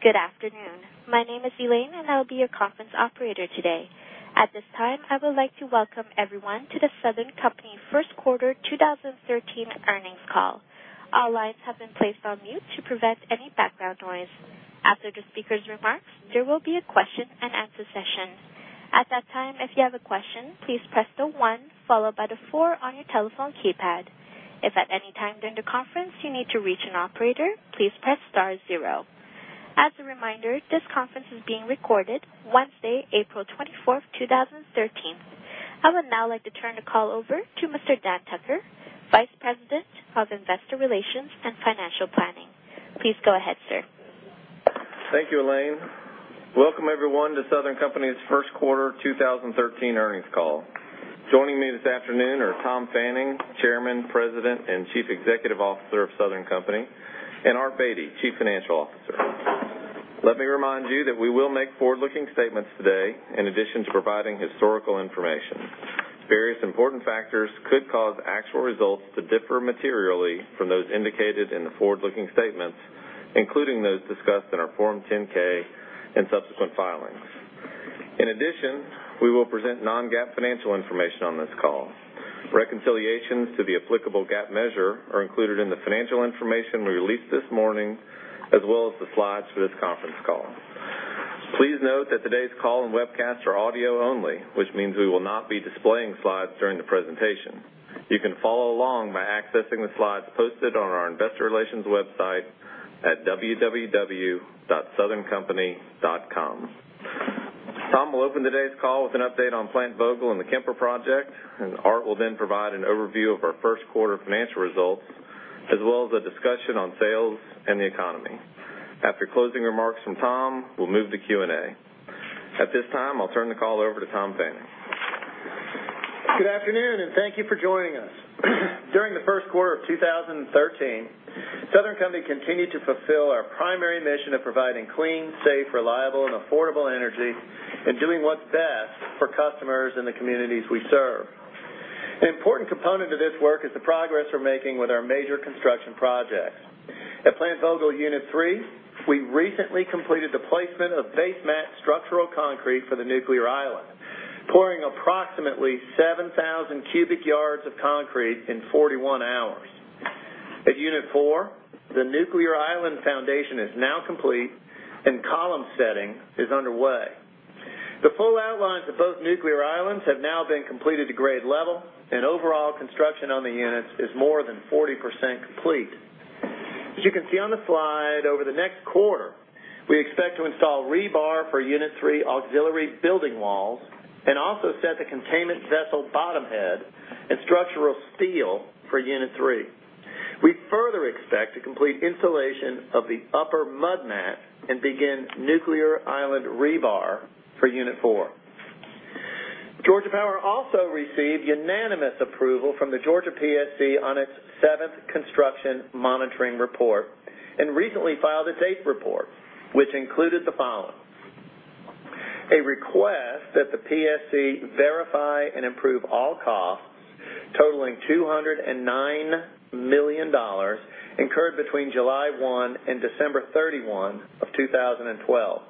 Good afternoon. My name is Elaine, and I'll be your conference operator today. At this time, I would like to welcome everyone to The Southern Company first quarter 2013 earnings call. All lines have been placed on mute to prevent any background noise. After the speaker's remarks, there will be a question and answer session. At that time, if you have a question, please press the one followed by the four on your telephone keypad. If at any time during the conference you need to reach an operator, please press star zero. As a reminder, this conference is being recorded Wednesday, April 24th, 2013. I would now like to turn the call over to Mr. Dan Tucker, Vice President of Investor Relations and Financial Planning. Please go ahead, sir. Thank you, Elaine. Welcome everyone to Southern Company's first quarter 2013 earnings call. Joining me this afternoon are Tom Fanning, Chairman, President, and Chief Executive Officer of Southern Company, and Art Beattie, Chief Financial Officer. Let me remind you that we will make forward-looking statements today, in addition to providing historical information. Various important factors could cause actual results to differ materially from those indicated in the forward-looking statements, including those discussed in our Form 10-K and subsequent filings. In addition, we will present non-GAAP financial information on this call. Reconciliations to the applicable GAAP measure are included in the financial information we released this morning, as well as the slides for this conference call. Please note that today's call and webcast are audio only, which means we will not be displaying slides during the presentation. You can follow along by accessing the slides posted on our investor relations website at www.southerncompany.com. Tom will open today's call with an update on Plant Vogtle and the Kemper project. Art will then provide an overview of our first quarter financial results, as well as a discussion on sales and the economy. After closing remarks from Tom, we'll move to Q&A. At this time, I'll turn the call over to Tom Fanning. Good afternoon, and thank you for joining us. During the first quarter of 2013, Southern Company continued to fulfill our primary mission of providing clean, safe, reliable, and affordable energy and doing what's best for customers in the communities we serve. An important component of this work is the progress we're making with our major construction projects. At Plant Vogtle Unit 3, we recently completed the placement of base mat structural concrete for the nuclear island, pouring approximately 7,000 cubic yards of concrete in 41 hours. At Unit 4, the nuclear island foundation is now complete and column setting is underway. The full outlines of both nuclear islands have now been completed to grade level, and overall construction on the units is more than 40% complete. As you can see on the slide, over the next quarter, we expect to install rebar for Unit 3 auxiliary building walls and also set the containment vessel bottom head and structural steel for Unit 3. We further expect to complete installation of the upper mud mat and begin nuclear island rebar for Unit 4. Georgia Power also received unanimous approval from the Georgia PSC on its seventh construction monitoring report and recently filed its eighth report, which included the following: A request that the PSC verify and improve all costs totaling $209 million incurred between July 1 and December 31 of 2012.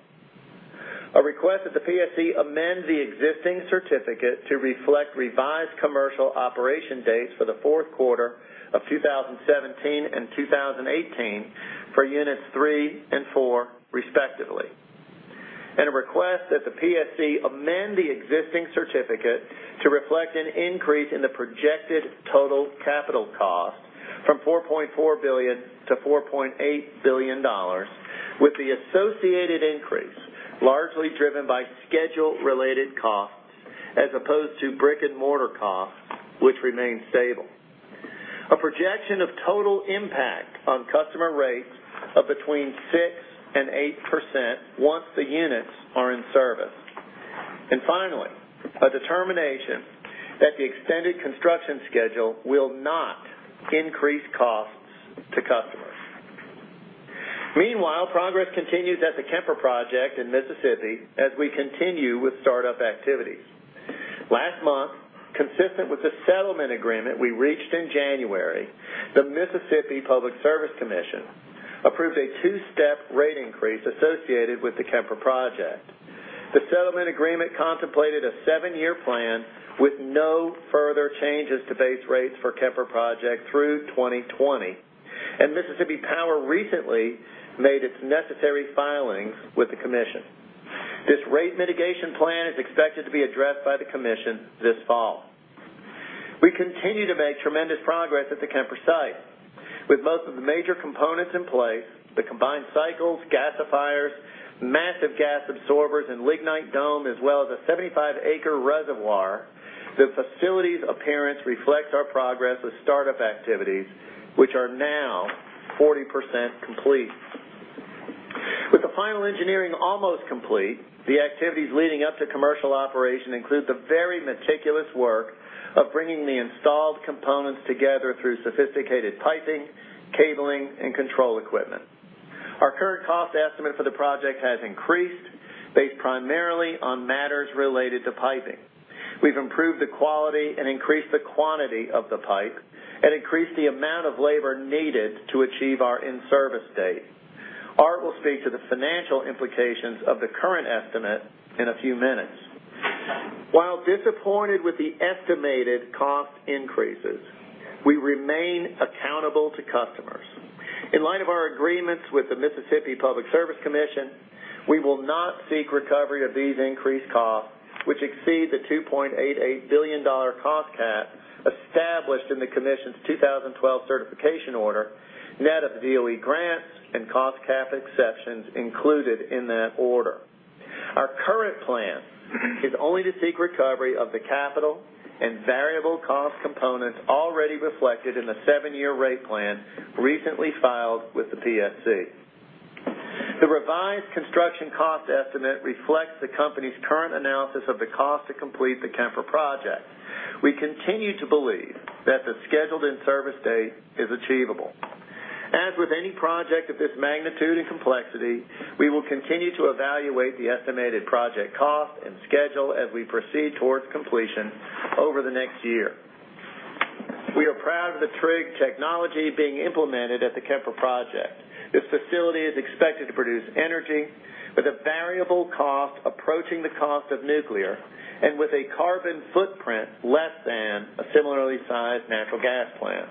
A request that the PSC amend the existing certificate to reflect revised commercial operation dates for the fourth quarter of 2017 and 2018 for Units 3 and 4 respectively. A request that the PSC amend the existing certificate to reflect an increase in the projected total capital cost from $4.4 billion to $4.8 billion with the associated increase largely driven by schedule-related costs as opposed to brick-and-mortar costs, which remain stable. A projection of total impact on customer rates of between 6% and 8% once the units are in service. Finally, a determination that the extended construction schedule will not increase costs to customers. Meanwhile, progress continues at the Kemper project in Mississippi as we continue with startup activities. Last month, consistent with the settlement agreement we reached in January, the Mississippi Public Service Commission approved a two-step rate increase associated with the Kemper project. The settlement agreement contemplated a seven-year plan with no further changes to base rates for Kemper project through 2020. Mississippi Power recently made its necessary filings with the commission. This rate mitigation plan is expected to be addressed by the commission this fall. We continue to make tremendous progress at the Kemper site. With most of the major components in place, the combined cycles, gasifiers, massive gas absorbers, and lignite dome, as well as a 75-acre reservoir, the facility's appearance reflects our progress with startup activities, which are now 40% complete. With the final engineering almost complete, the activities leading up to commercial operation include the very meticulous work of bringing the installed components together through sophisticated piping, cabling, and control equipment. Our current cost estimate for the project has increased based primarily on matters related to piping. We've improved the quality and increased the quantity of the pipe and increased the amount of labor needed to achieve our in-service date. Art will speak to the financial implications of the current estimate in a few minutes. While disappointed with the estimated cost increases, we remain accountable to customers. In light of our agreements with the Mississippi Public Service Commission, we will not seek recovery of these increased costs, which exceed the $2.88 billion cost cap established in the Commission's 2012 certification order net of DOE grants and cost cap exceptions included in that order. Our current plan is only to seek recovery of the capital and variable cost components already reflected in the seven-year rate plan recently filed with the PSC. The revised construction cost estimate reflects the company's current analysis of the cost to complete the Kemper project. We continue to believe that the scheduled and service date is achievable. As with any project of this magnitude and complexity, we will continue to evaluate the estimated project cost and schedule as we proceed towards completion over the next year. We are proud of the TRIG technology being implemented at the Kemper project. This facility is expected to produce energy with a variable cost approaching the cost of nuclear and with a carbon footprint less than a similarly sized natural gas plant.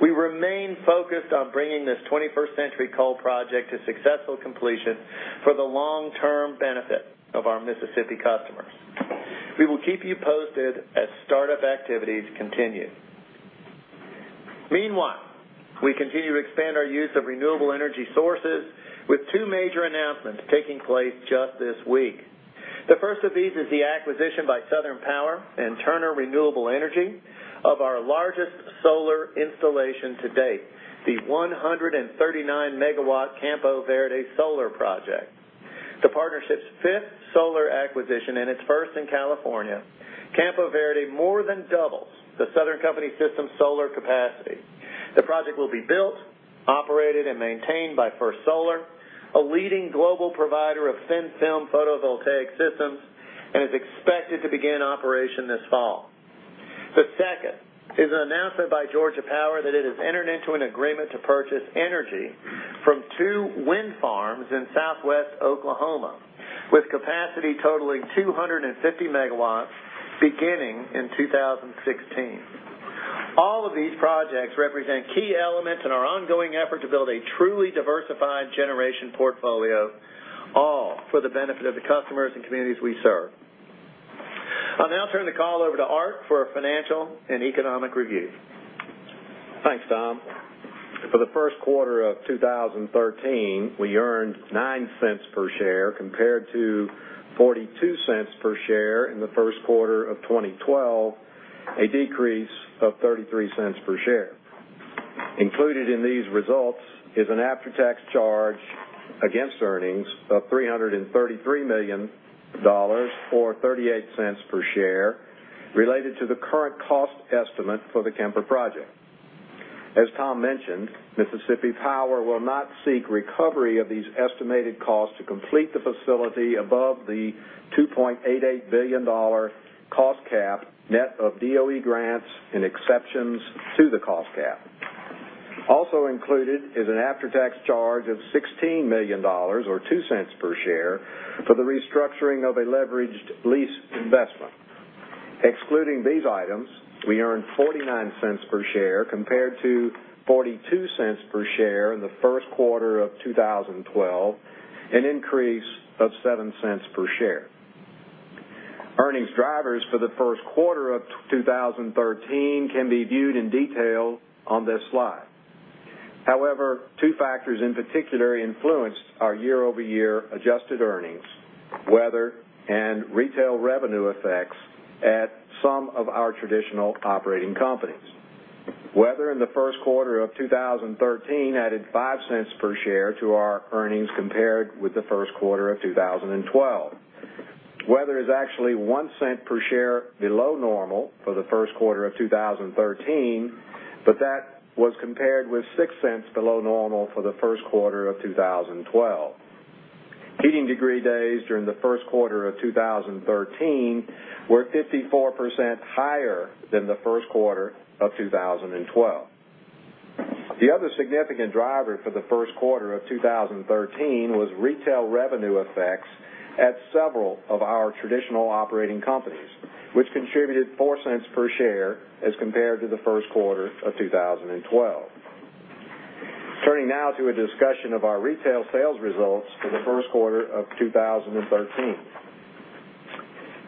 We remain focused on bringing this 21st century coal project to successful completion for the long-term benefit of our Mississippi customers. We will keep you posted as startup activities continue. Meanwhile, we continue to expand our use of renewable energy sources with two major announcements taking place just this week. The first of these is the acquisition by Southern Power and Turner Renewable Energy of our largest solar installation to date, the 139-megawatt Campo Verde Solar project. The partnership's fifth solar acquisition and its first in California, Campo Verde more than doubles the Southern Company system solar capacity. The project will be built, operated, and maintained by First Solar, a leading global provider of thin-film photovoltaic systems, and is expected to begin operation this fall. The second is an announcement by Georgia Power that it has entered into an agreement to purchase energy from two wind farms in southwest Oklahoma, with capacity totaling 250 megawatts beginning in 2016. All of these projects represent key elements in our ongoing effort to build a truly diversified generation portfolio, all for the benefit of the customers and communities we serve. I'll now turn the call over to Art for a financial and economic review. Thanks, Tom. For the first quarter of 2013, we earned $0.09 per share compared to $0.42 per share in the first quarter of 2012, a decrease of $0.33 per share. Included in these results is an after-tax charge against earnings of $333 million, or $0.38 per share, related to the current cost estimate for the Kemper project. As Tom mentioned, Mississippi Power will not seek recovery of these estimated costs to complete the facility above the $2.88 billion cost cap net of DOE grants and exceptions to the cost cap. Also included is an after-tax charge of $16 million, or $0.02 per share, for the restructuring of a leveraged lease investment. Excluding these items, we earned $0.49 per share compared to $0.42 per share in the first quarter of 2012, an increase of $0.07 per share. Earnings drivers for the first quarter of 2013 can be viewed in detail on this slide. However, two factors in particular influenced our year-over-year adjusted earnings, weather, and retail revenue effects at some of our traditional operating companies. Weather in the first quarter of 2013 added $0.05 per share to our earnings compared with the first quarter of 2012. Weather is actually $0.01 per share below normal for the first quarter of 2013, but that was compared with $0.06 below normal for the first quarter of 2012. Heating degree days during the first quarter of 2013 were 54% higher than the first quarter of 2012. The other significant driver for the first quarter of 2013 was retail revenue effects at several of our traditional operating companies, which contributed $0.04 per share as compared to the first quarter of 2012. Turning now to a discussion of our retail sales results for the first quarter of 2013.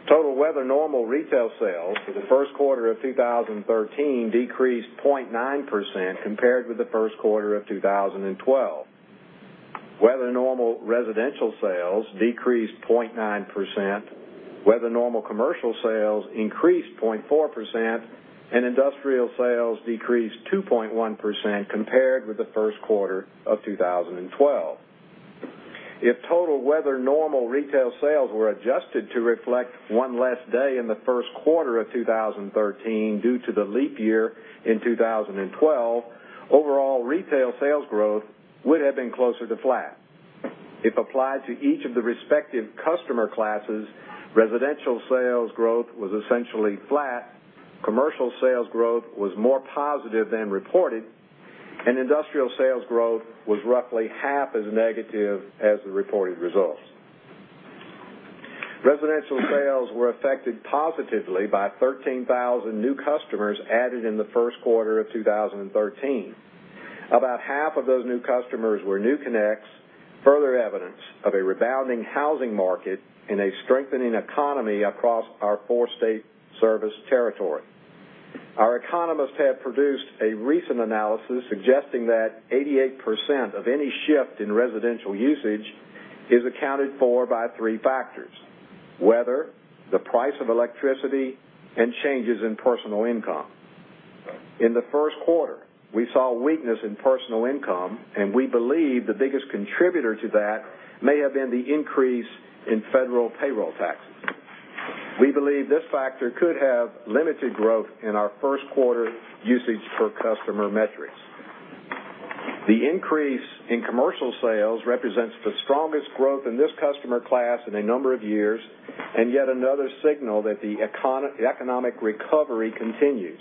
Total weather normal retail sales for the first quarter of 2013 decreased 0.9% compared with the first quarter of 2012. Weather normal residential sales decreased 0.9%, weather normal commercial sales increased 0.4%, and industrial sales decreased 2.1% compared with the first quarter of 2012. If total weather normal retail sales were adjusted to reflect one less day in the first quarter of 2013 due to the leap year in 2012, overall retail sales growth would have been closer to flat. If applied to each of the respective customer classes, residential sales growth was essentially flat, commercial sales growth was more positive than reported, and industrial sales growth was roughly half as negative as the reported results. Residential sales were affected positively by 13,000 new customers added in the first quarter of 2013. About half of those new customers were new connects, further evidence of a rebounding housing market and a strengthening economy across our four-state service territory. Our economists have produced a recent analysis suggesting that 88% of any shift in residential usage is accounted for by three factors: weather, the price of electricity, and changes in personal income. In the first quarter, we saw weakness in personal income, and we believe the biggest contributor to that may have been the increase in federal payroll taxes. We believe this factor could have limited growth in our first quarter usage per customer metrics. The increase in commercial sales represents the strongest growth in this customer class in a number of years and yet another signal that the economic recovery continues.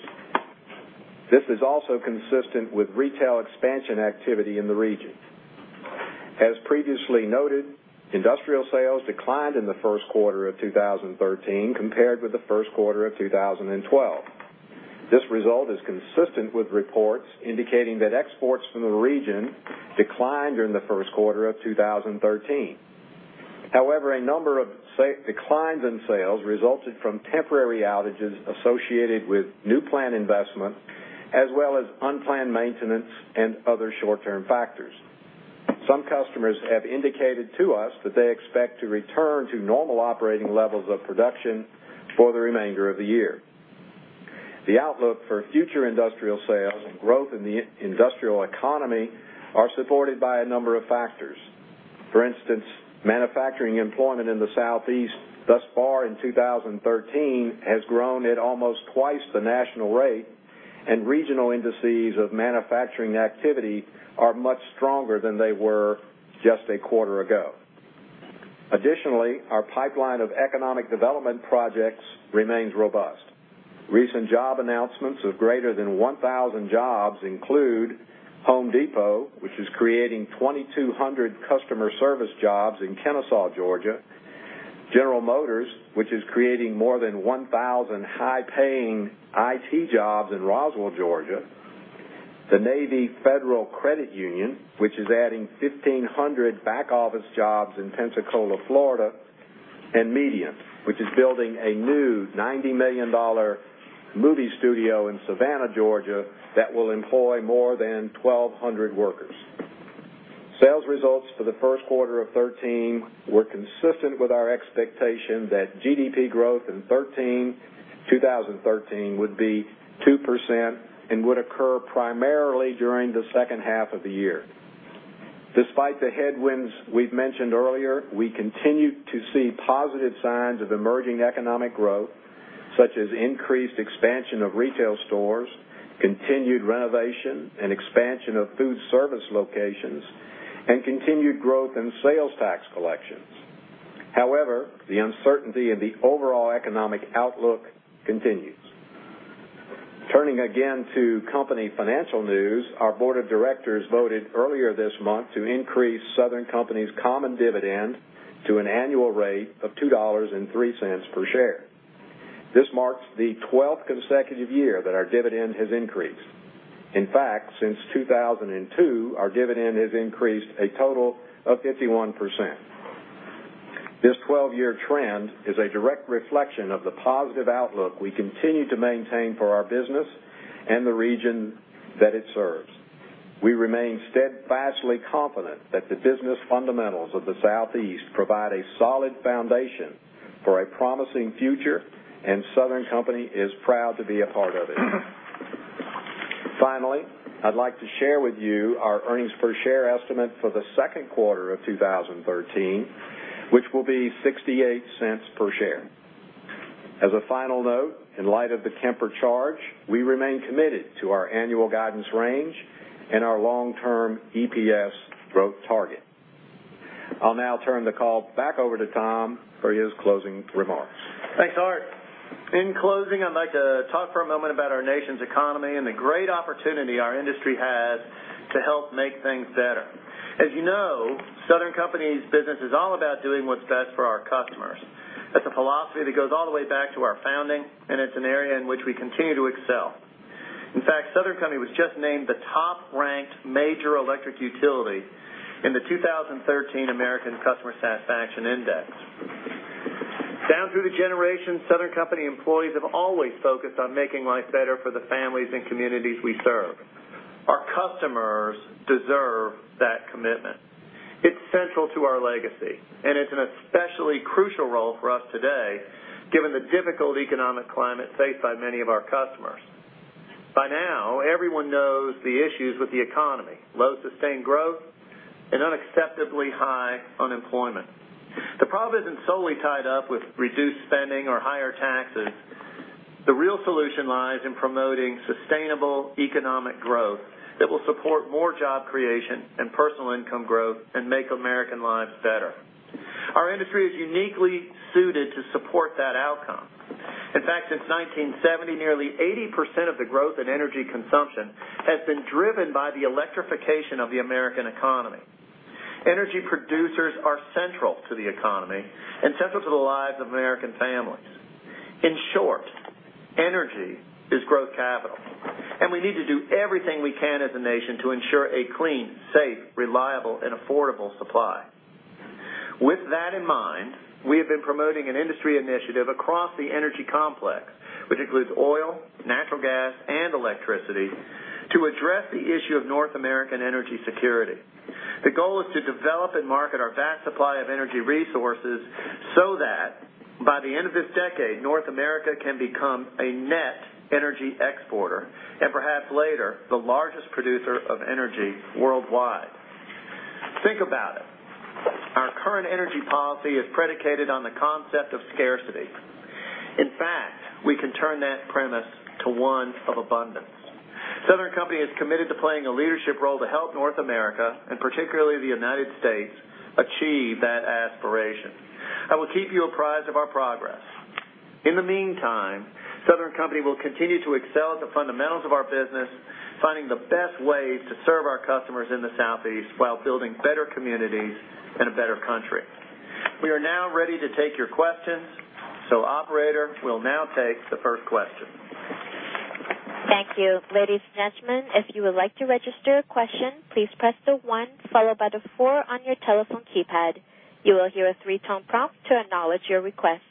This is also consistent with retail expansion activity in the region. As previously noted, industrial sales declined in the first quarter of 2013 compared with the first quarter of 2012. This result is consistent with reports indicating that exports from the region declined during the first quarter of 2013. However, a number of declines in sales resulted from temporary outages associated with new plant investment, as well as unplanned maintenance and other short-term factors. Some customers have indicated to us that they expect to return to normal operating levels of production for the remainder of the year. The outlook for future industrial sales and growth in the industrial economy are supported by a number of factors. For instance, manufacturing employment in the Southeast thus far in 2013 has grown at almost twice the national rate, and regional indices of manufacturing activity are much stronger than they were just a quarter ago. Additionally, our pipeline of economic development projects remains robust. Recent job announcements of greater than 1,000 jobs include Home Depot, which is creating 2,200 customer service jobs in Kennesaw, Georgia. General Motors, which is creating more than 1,000 high-paying IT jobs in Roswell, Georgia. The Navy Federal Credit Union, which is adding 1,500 back-office jobs in Pensacola, Florida. Medient, which is building a new $90 million movie studio in Savannah, Georgia, that will employ more than 1,200 workers. Sales results for the first quarter of 2013 were consistent with our expectation that GDP growth in 2013 would be 2% and would occur primarily during the second half of the year. Despite the headwinds we've mentioned earlier, we continue to see positive signs of emerging economic growth, such as increased expansion of retail stores, continued renovation and expansion of food service locations, and continued growth in sales tax collections. However, the uncertainty in the overall economic outlook continues. Turning again to company financial news, our board of directors voted earlier this month to increase Southern Company's common dividend to an annual rate of $2.03 per share. This marks the 12th consecutive year that our dividend has increased. In fact, since 2002, our dividend has increased a total of 51%. This 12-year trend is a direct reflection of the positive outlook we continue to maintain for our business and the region that it serves. We remain steadfastly confident that the business fundamentals of the Southeast provide a solid foundation for a promising future, and Southern Company is proud to be a part of it. Finally, I'd like to share with you our earnings per share estimate for the second quarter of 2013, which will be $0.68 per share. As a final note, in light of the Kemper charge, we remain committed to our annual guidance range and our long-term EPS growth target. I'll now turn the call back over to Tom for his closing remarks. Thanks, Art. In closing, I'd like to talk for a moment about our nation's economy and the great opportunity our industry has to help make things better. As you know, Southern Company's business is all about doing what's best for our customers. That's a philosophy that goes all the way back to our founding, and it's an area in which we continue to excel. In fact, Southern Company was just named the top-ranked major electric utility in the 2013 American Customer Satisfaction Index. Down through the generations, Southern Company employees have always focused on making life better for the families and communities we serve. Our customers deserve that commitment. It's central to our legacy, and it's an especially crucial role for us today, given the difficult economic climate faced by many of our customers. By now, everyone knows the issues with the economy, low sustained growth, and unacceptably high unemployment. The problem isn't solely tied up with reduced spending or higher taxes. The real solution lies in promoting sustainable economic growth that will support more job creation and personal income growth and make American lives better. Our industry is uniquely suited to support that outcome. In fact, since 1970, nearly 80% of the growth in energy consumption has been driven by the electrification of the American economy. Energy producers are central to the economy and central to the lives of American families. In short, energy is growth capital, and we need to do everything we can as a nation to ensure a clean, safe, reliable, and affordable supply. With that in mind, we have been promoting an industry initiative across the energy complex, which includes oil, natural gas, and electricity to address the issue of North American energy security. The goal is to develop and market our vast supply of energy resources so that by the end of this decade, North America can become a net energy exporter and perhaps later, the largest producer of energy worldwide. Think about it. Our current energy policy is predicated on the concept of scarcity. In fact, we can turn that premise to one of abundance. Southern Company is committed to playing a leadership role to help North America and particularly the United States achieve that aspiration. I will keep you apprised of our progress. In the meantime, Southern Company will continue to excel at the fundamentals of our business, finding the best way to serve our customers in the Southeast while building better communities and a better country. Operator, we'll now take the first question. Thank you. Ladies and gentlemen, if you would like to register a question, please press the one followed by the four on your telephone keypad. You will hear a three-tone prompt to acknowledge your request.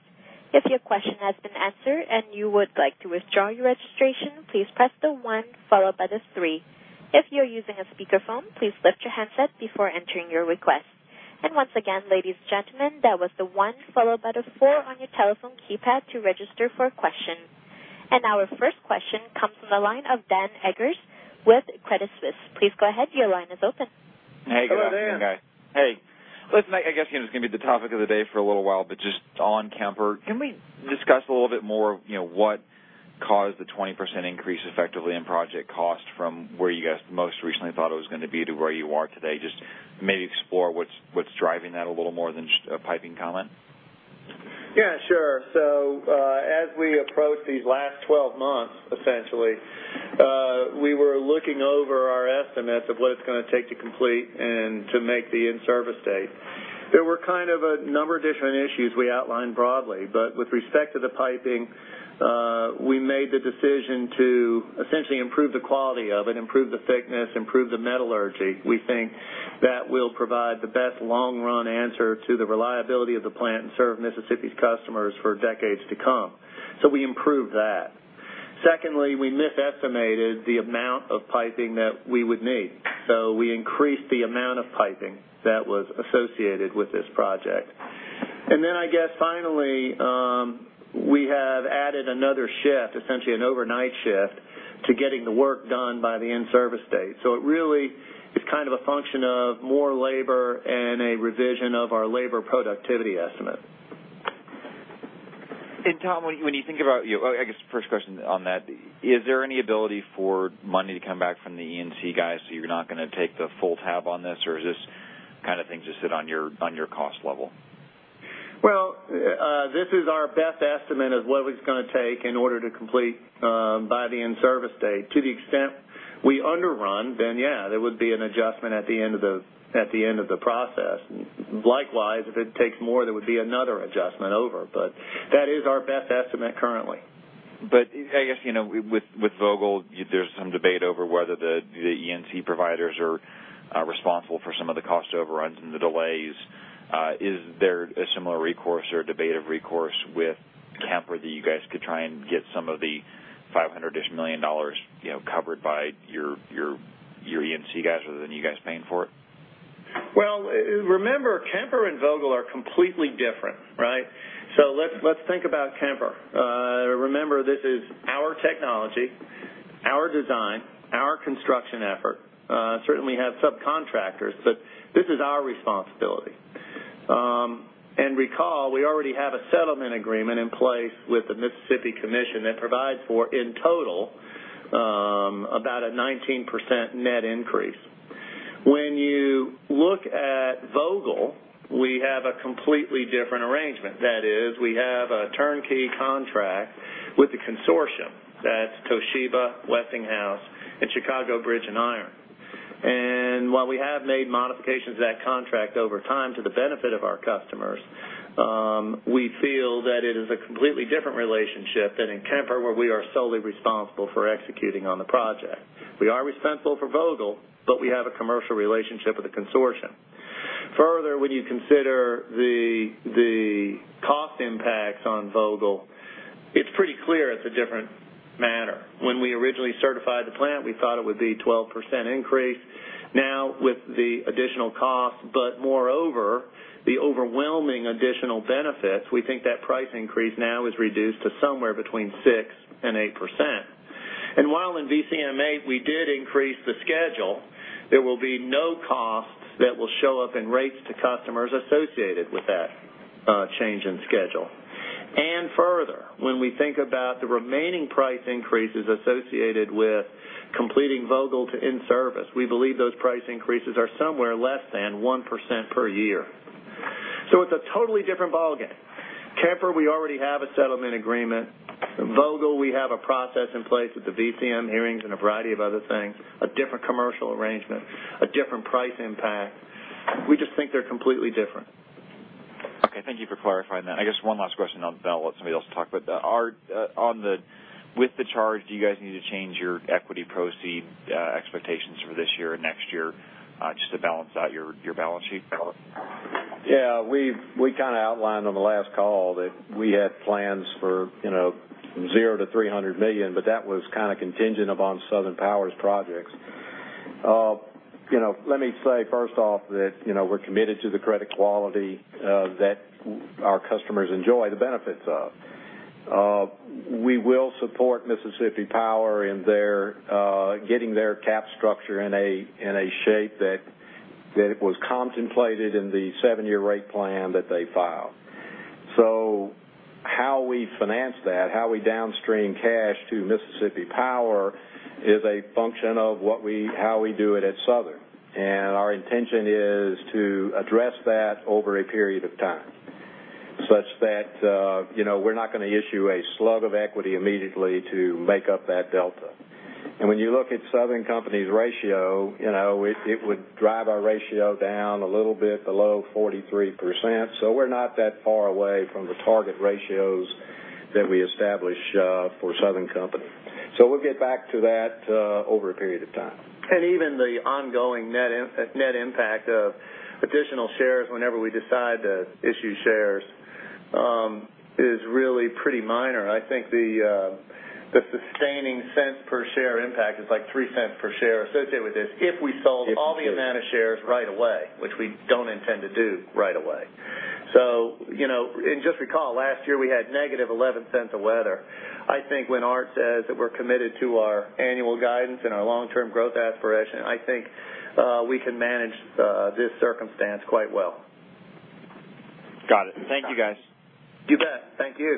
If your question has been answered and you would like to withdraw your registration, please press the one followed by the three. If you're using a speakerphone, please lift your handset before entering your request. Once again, ladies and gentlemen, that was the one followed by the four on your telephone keypad to register for a question. Our first question comes from the line of Dan Eggers with Credit Suisse. Please go ahead. Your line is open. Hey. Hello, Dan. Hey, guys. Hey. Listen, I guess it's going to be the topic of the day for a little while, but just on Kemper, can we discuss a little bit more what caused the 20% increase effectively in project cost from where you guys most recently thought it was going to be to where you are today? Just maybe explore what's driving that a little more than just a piping comment. Yeah, sure. As we approach these last 12 months, essentially, we were looking over our estimates of what it's going to take to complete and to make the in-service date. There were a number of different issues we outlined broadly. With respect to the piping, we made the decision to essentially improve the quality of it, improve the thickness, improve the metallurgy. We think that will provide the best long-run answer to the reliability of the plant and serve Mississippi's customers for decades to come. We improved that. Secondly, we misestimated the amount of piping that we would need. We increased the amount of piping that was associated with this project. I guess finally, we have added another shift, essentially an overnight shift to getting the work done by the in-service date. It really is a function of more labor and a revision of our labor productivity estimate. Tom, when you think about, I guess first question on that, is there any ability for money to come back from the E&C guys so you're not going to take the full tab on this or is this kind of thing just sit on your cost level? This is our best estimate of what it's going to take in order to complete by the in-service date. To the extent we underrun, then yeah, there would be an adjustment at the end of the process. Likewise, if it takes more, there would be another adjustment over. That is our best estimate currently. I guess, with Vogtle, there's some debate over whether the E&C providers are responsible for some of the cost overruns and the delays. Is there a similar recourse or debate of recourse with Kemper that you guys could try and get some of the $500-ish million covered by your E&C guys rather than you guys paying for it? Remember, Kemper and Vogtle are completely different, right? Let's think about Kemper. Remember, this is our technology, our design, our construction effort. Certainly have subcontractors, but this is our responsibility. Recall, we already have a settlement agreement in place with the Mississippi Commission that provides for, in total, about a 19% net increase. When you look at Vogtle, we have a completely different arrangement. That is, we have a turnkey contract with the consortium. That's Toshiba, Westinghouse, and Chicago Bridge & Iron. While we have made modifications to that contract over time to the benefit of our customers, we feel that it is a completely different relationship than in Kemper where we are solely responsible for executing on the project. We are responsible for Vogtle, but we have a commercial relationship with the consortium. Further, when you consider the cost impacts on Vogtle, it's pretty clear it's a different manner. When we originally certified the plant, we thought it would be 12% increase. Now with the additional cost, but moreover, the overwhelming additional benefits, we think that price increase now is reduced to somewhere between 6% and 8%. While in VCM8 we did increase the schedule, there will be no costs that will show up in rates to customers associated with that change in schedule. Further, when we think about the remaining price increases associated with completing Vogtle to in-service, we believe those price increases are somewhere less than 1% per year. It's a totally different ballgame. Kemper, we already have a settlement agreement. Vogtle, we have a process in place with the VCM hearings and a variety of other things, a different commercial arrangement, a different price impact. We just think they're completely different. Okay, thank you for clarifying that. I guess one last question on that. I'll let somebody else talk about that. With the charge, do you guys need to change your equity proceed expectations for this year or next year just to balance out your balance sheet, Tom? Yeah, we outlined on the last call that we had plans for $0-$300 million, but that was contingent upon Southern Power's projects. Let me say first off that we're committed to the credit quality that our customers enjoy the benefits of. We will support Mississippi Power in getting their cap structure in a shape that was contemplated in the seven-year rate plan that they filed. How we finance that, how we downstream cash to Mississippi Power is a function of how we do it at Southern. Our intention is to address that over a period of time such that we're not going to issue a slug of equity immediately to make up that delta. When you look at Southern Company's ratio, it would drive our ratio down a little bit below 43%. We're not that far away from the target ratios that we establish for Southern Company. We'll get back to that over a period of time. The ongoing net impact of additional shares whenever we decide to issue shares is really pretty minor. I think the sustaining cents per share impact is like $0.03 per share associated with this if we sold all the amount of shares right away, which we don't intend to do right away. Just recall, last year, we had negative $0.11 of weather. I think when Art says that we're committed to our annual guidance and our long-term growth aspiration, I think we can manage this circumstance quite well. Got it. Thank you, guys. You bet. Thank you.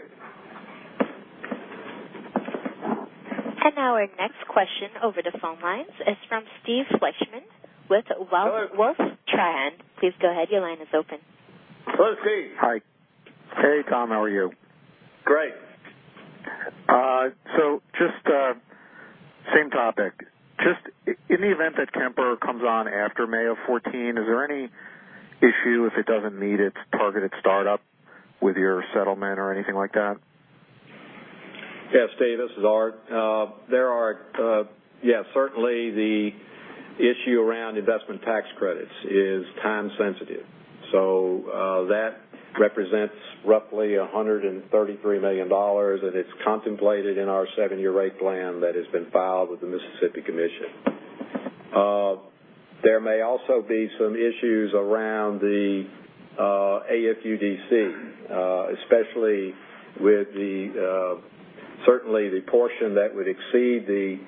Now our next question over the phone lines is from Steven Fleishman with Wolfe Research. Please go ahead. Your line is open. Hello, Steve. Hi. Hey, Tom, how are you? Great. Just same topic. Just in the event that Kemper comes on after May of 2014, is there any issue if it doesn't meet its targeted startup with your settlement or anything like that? Yes, Steve, this is Art. There are, yes, certainly the issue around investment tax credits is time sensitive. That represents roughly $133 million, and it's contemplated in our seven-year rate plan that has been filed with the Mississippi Commission. There may also be some issues around the AFUDC, especially with certainly the portion that would exceed the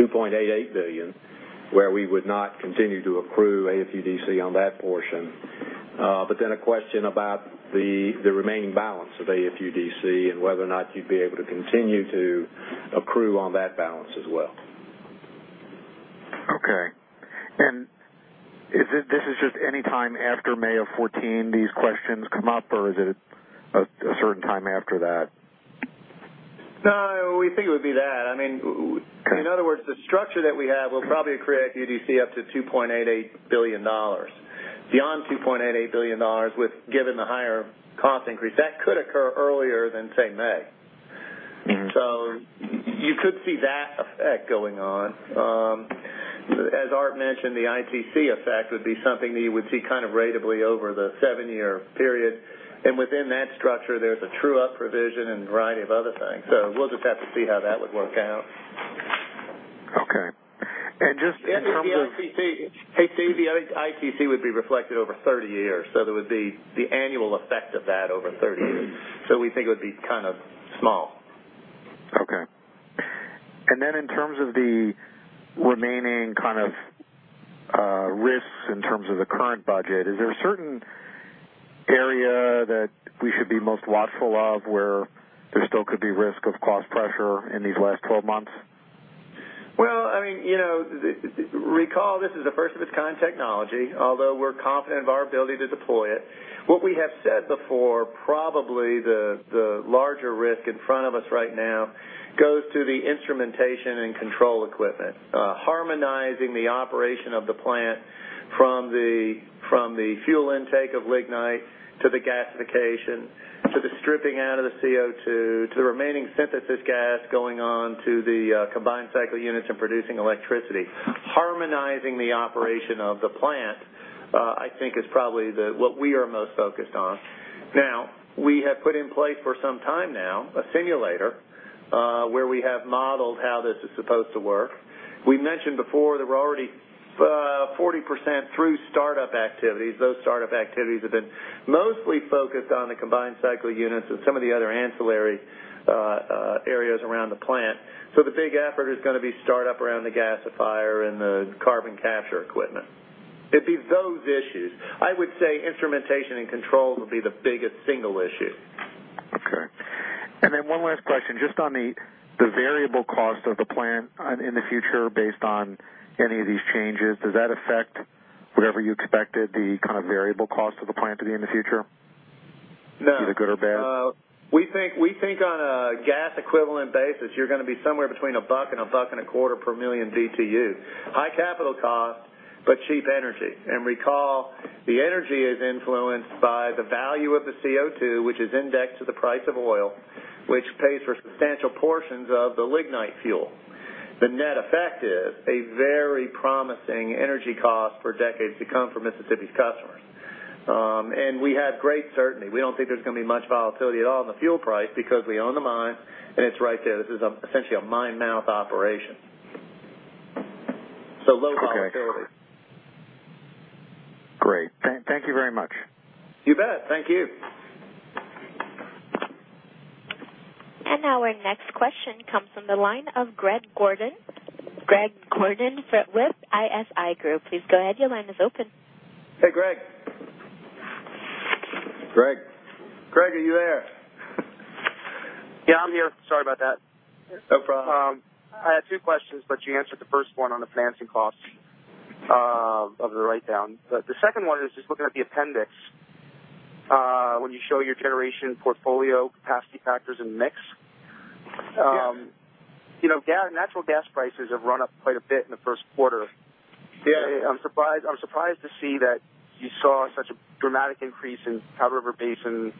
$2.88 billion, where we would not continue to accrue AFUDC on that portion. A question about the remaining balance of AFUDC and whether or not you'd be able to continue to accrue on that balance as well. Okay. This is just any time after May of 2014 these questions come up, or is it a certain time after that? No, we think it would be that. I mean. Okay In other words, the structure that we have will probably create AFUDC up to $2.88 billion. Beyond $2.88 billion, given the higher cost increase, that could occur earlier than, say, May. You could see that effect going on. As Art mentioned, the ITC effect would be something that you would see ratably over the seven-year period. Within that structure, there's a true-up provision and a variety of other things. We'll just have to see how that would work out. Okay. just in terms of- Hey, Steve, the ITC would be reflected over 30 years. There would be the annual effect of that over 30 years. We think it would be kind of small. Okay. Then in terms of the remaining risks in terms of the current budget, is there a certain area that we should be most watchful of where there still could be risk of cost pressure in these last 12 months? Well, recall this is a first of its kind technology, although we're confident of our ability to deploy it. What we have said before, probably the larger risk in front of us right now goes to the instrumentation and control equipment. Harmonizing the operation of the plant from the fuel intake of lignite to the gasification, to the stripping out of the CO2, to the remaining synthesis gas going on to the combined cycle units and producing electricity. Harmonizing the operation of the plant, I think is probably what we are most focused on. Now, we have put in place for some time now a simulator where we have modeled how this is supposed to work. We mentioned before that we're already 40% through startup activities. Those startup activities have been mostly focused on the combined cycle units and some of the other ancillary areas around the plant. The big effort is going to be startup around the gasifier and the carbon capture equipment. It'd be those issues. I would say instrumentation and control will be the biggest single issue. Okay. One last question, just on the variable cost of the plant in the future, based on any of these changes. Does that affect whatever you expected the variable cost of the plant to be in the future? No. Either good or bad? We think on a gas equivalent basis, you're going to be somewhere between a buck and a buck and a quarter per million BTU. High capital cost, but cheap energy. Recall, the energy is influenced by the value of the CO2, which is indexed to the price of oil, which pays for substantial portions of the lignite fuel. The net effect is a very promising energy cost for decades to come for Mississippi's customers. We have great certainty. We don't think there's going to be much volatility at all in the fuel price, because we own the mine and it's right there. This is essentially a mine mouth operation. Low volatility. Okay. Great. Thank you very much. You bet. Thank you. Now our next question comes from the line of Greg Gordon. Greg Gordon with ISI Group. Please go ahead. Your line is open. Hey, Greg. Greg? Greg, are you there? Yeah, I'm here. Sorry about that. No problem. I had two questions. You answered the first one on the financing cost of the write-down. The second one is just looking at the appendix. When you show your generation portfolio capacity factors and mix. Yeah. Natural gas prices have run up quite a bit in the first quarter. Yeah. I'm surprised to see that you saw such a dramatic increase in Powder River Basin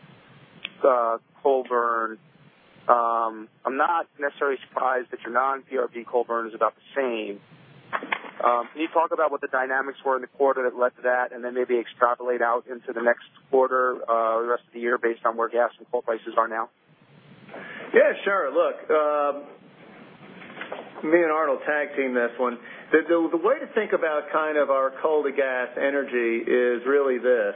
coal burn. I'm not necessarily surprised that your non-PRB coal burn is about the same. Can you talk about what the dynamics were in the quarter that led to that, then maybe extrapolate out into the next quarter, or the rest of the year based on where gas and coal prices are now? Yeah, sure. Look, me and Art tag-teamed this one. The way to think about our coal to gas energy is really this.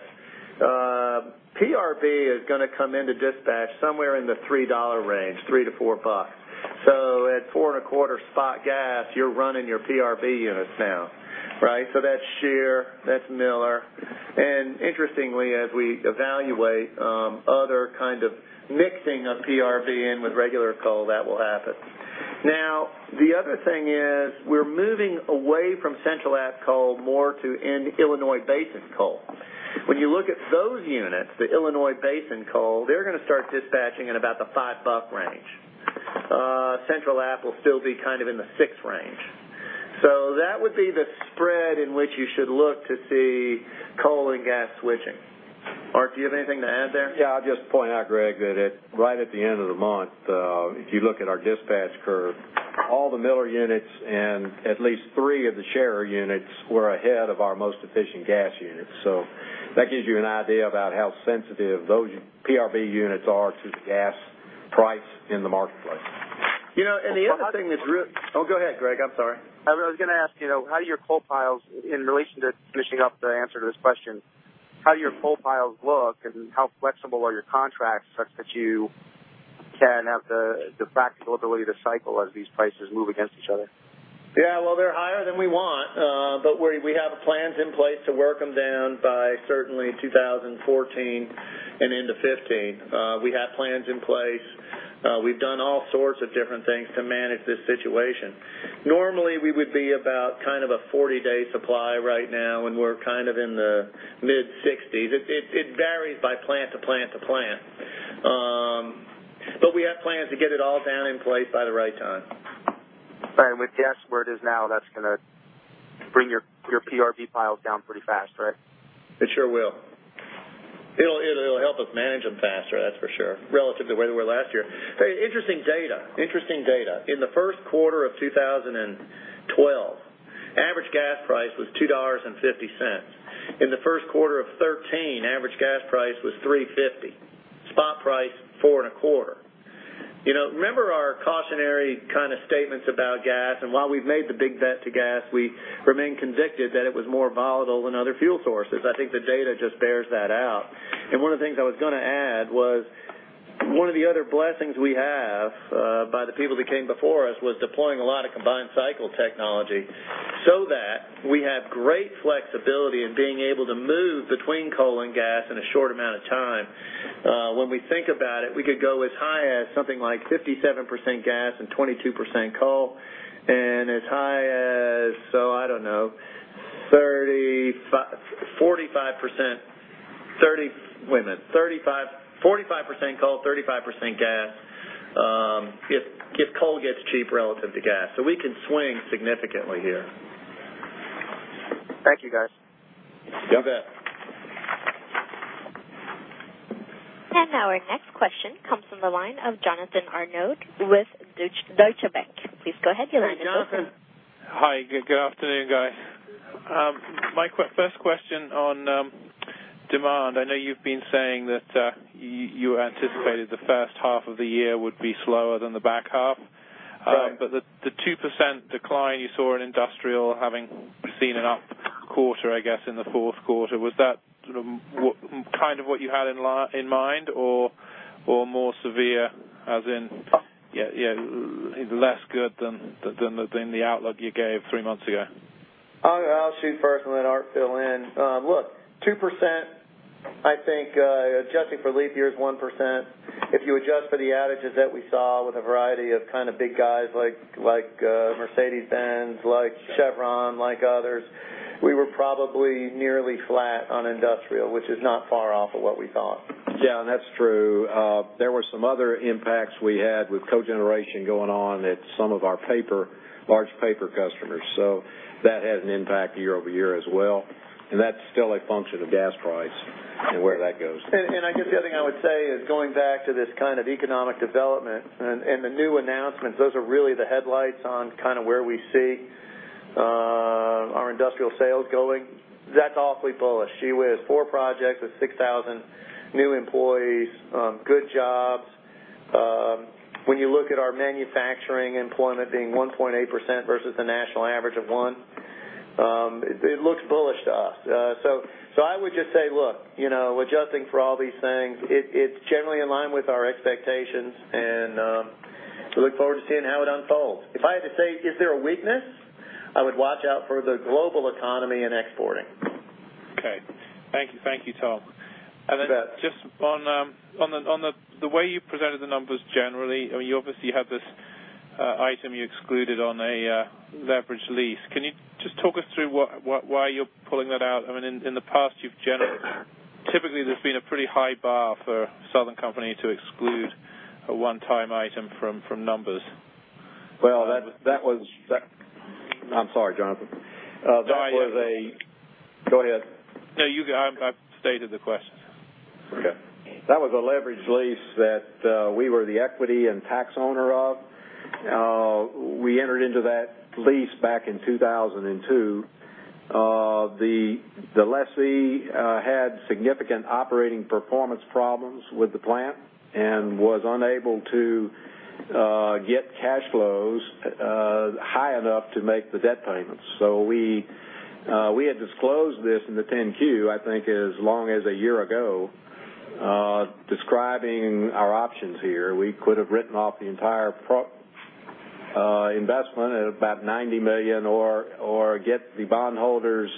PRB is going to come into dispatch somewhere in the $3 range, $3-$4. At four and a quarter spot gas, you're running your PRB units now, right? That's Scherer, that's Miller. Interestingly, as we evaluate other kind of mixing of PRB in with regular coal, that will happen. The other thing is we're moving away from Central App coal more to in Illinois Basin coal. When you look at those units, the Illinois Basin coal, they're going to start dispatching at about the $5 range. Central App will still be in the $6 range. That would be the spread in which you should look to see coal and gas switching. Art, do you have anything to add there? Yeah, I'll just point out, Greg, that right at the end of the month, if you look at our dispatch curve, all the Miller units and at least three of the Scherer units were ahead of our most efficient gas units. That gives you an idea about how sensitive those PRB units are to the gas price in the marketplace. Oh, go ahead, Greg. I'm sorry. I was going to ask, how do your coal piles, in relation to finishing up the answer to this question, how do your coal piles look and how flexible are your contracts such that you can have the practical ability to cycle as these prices move against each other? Yeah. Well, they're higher than we want. We have plans in place to work them down by certainly 2014 and into 2015. We have plans in place. We've done all sorts of different things to manage this situation. Normally, we would be about a 40-day supply right now, and we're in the mid-60s. It varies by plant to plant to plant. We have plans to get it all down in place by the right time. With gas where it is now, that's going to bring your PRB piles down pretty fast, right? It sure will. It'll help us manage them faster, that's for sure, relative to where they were last year. Interesting data. In the first quarter of 2012, average gas price was $2.50. In the first quarter of 2013, average gas price was $3.50. Spot price, four and a quarter. Remember our cautionary statements about gas, while we've made the big bet to gas, we remain convicted that it was more volatile than other fuel sources. I think the data just bears that out. One of the things I was going to add was one of the other blessings we have, by the people that came before us, was deploying a lot of combined cycle technology so that we have great flexibility in being able to move between coal and gas in a short amount of time. When we think about it, we could go as high as something like 57% gas and 22% coal, as high as 45% coal, 35% gas, if coal gets cheap relative to gas. We can swing significantly here. Thank you, guys. You bet. Now our next question comes from the line of Jonathan Arnold with Deutsche Bank. Please go ahead. Your line is open. Hey, Jonathan. Hi. Good afternoon, guys. My first question on Demand. I know you've been saying that you anticipated the first half of the year would be slower than the back half. Right. The 2% decline you saw in industrial having seen an up quarter, I guess, in the fourth quarter, was that kind of what you had in mind or more severe, as in less good than the outlook you gave three months ago? I'll shoot first and let Art fill in. Look, 2%, I think adjusting for leap year is 1%. If you adjust for the outages that we saw with a variety of big guys like Mercedes-Benz, like Chevron, like others, we were probably nearly flat on industrial, which is not far off of what we thought. That's true. There were some other impacts we had with cogeneration going on at some of our large paper customers. That had an impact year-over-year as well. That's still a function of gas price and where that goes. I guess the other thing I would say is going back to this kind of economic development and the new announcements, those are really the headlights on where we see our industrial sales going. That's awfully bullish. See, with four projects with 6,000 new employees, good jobs. When you look at our manufacturing employment being 1.8% versus the national average of 1, it looks bullish to us. I would just say, look, adjusting for all these things, it's generally in line with our expectations, and we look forward to seeing how it unfolds. If I had to say, is there a weakness? I would watch out for the global economy and exporting. Okay. Thank you, Tom. You bet. On the way you presented the numbers generally, you obviously have this item you excluded on a leverage lease. Can you just talk us through why you are pulling that out? In the past, typically there has been a pretty high bar for Southern Company to exclude a one-time item from numbers. Well, I am sorry, Jonathan. Go ahead. No, you go. I have stated the question. Okay. That was a leverage lease that we were the equity and tax owner of. We entered into that lease back in 2002. The lessee had significant operating performance problems with the plant and was unable to get cash flows high enough to make the debt payments. We had disclosed this in the 10-Q, I think as long as a year ago, describing our options here. We could have written off the entire investment at about $90 million or get the bondholders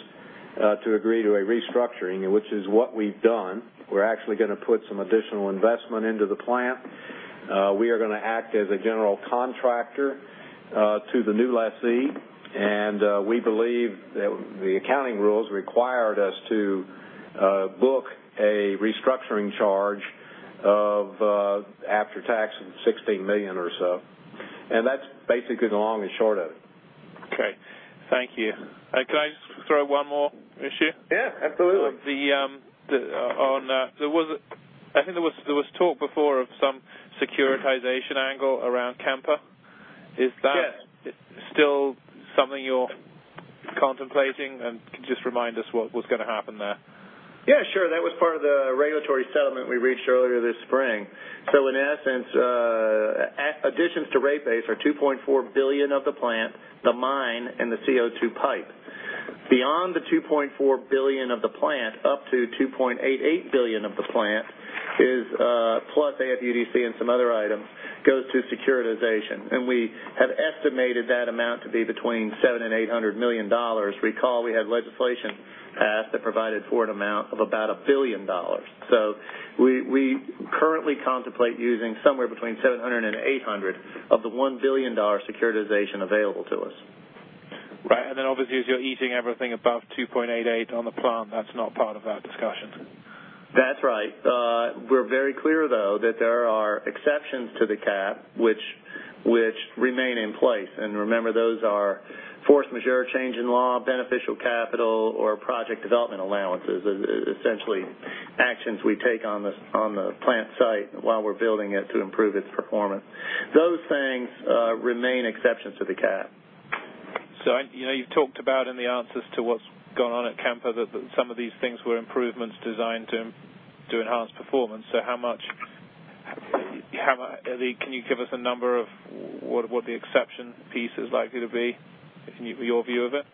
to agree to a restructuring, which is what we have done. We are actually going to put some additional investment into the plant. We are going to act as a general contractor to the new lessee, we believe that the accounting rules required us to book a restructuring charge of after-tax of $16 million or so. That is basically the long and short of it. Okay. Thank you. Can I just throw one more issue? Yeah, absolutely. I think there was talk before of some securitization angle around Kemper. Yes. Is that still something you're contemplating? Could you just remind us what's going to happen there? Yeah, sure. That was part of the regulatory settlement we reached earlier this spring. In essence, additions to rate base are $2.4 billion of the plant, the mine, and the CO2 pipe. Beyond the $2.4 billion of the plant, up to $2.88 billion of the plant, plus AFUDC and some other items, goes to securitization. We have estimated that amount to be between $700 million and $800 million. Recall we had legislation passed that provided for an amount of about $1 billion. We currently contemplate using somewhere between $700 and $800 of the $1 billion securitization available to us. Right. Obviously, as you're eating everything above $2.88 on the plant, that's not part of that discussion. That's right. We're very clear, though, that there are exceptions to the cap which remain in place. Remember, those are force majeure change in law, beneficial capital, or project development allowances. Essentially actions we take on the plant site while we're building it to improve its performance. Those things remain exceptions to the cap. You've talked about in the answers to what's gone on at Kemper that some of these things were improvements designed to enhance performance. Can you give us a number of what the exception piece is likely to be from your view of it?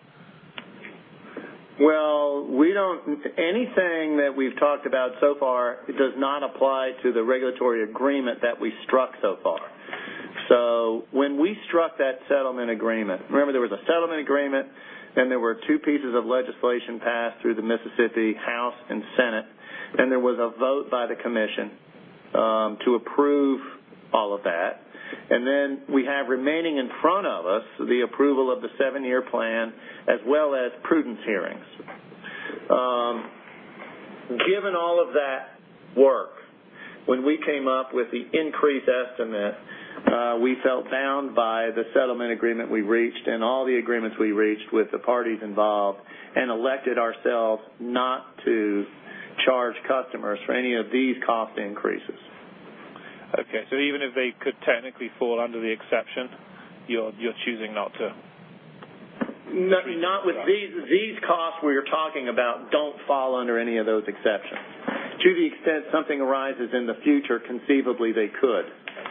Anything that we've talked about so far does not apply to the regulatory agreement that we struck so far. When we struck that settlement agreement, remember, there was a settlement agreement, then there were two pieces of legislation passed through the Mississippi House and Senate, then there was a vote by the commission to approve all of that. We have remaining in front of us the approval of the seven-year plan, as well as prudence hearings. Given all of that work, when we came up with the increased estimate, we felt bound by the settlement agreement we reached and all the agreements we reached with the parties involved and elected ourselves not to charge customers for any of these cost increases. Okay. Even if they could technically fall under the exception, you're choosing not to. Not with these. These costs we are talking about don't fall under any of those exceptions. To the extent something arises in the future, conceivably they could,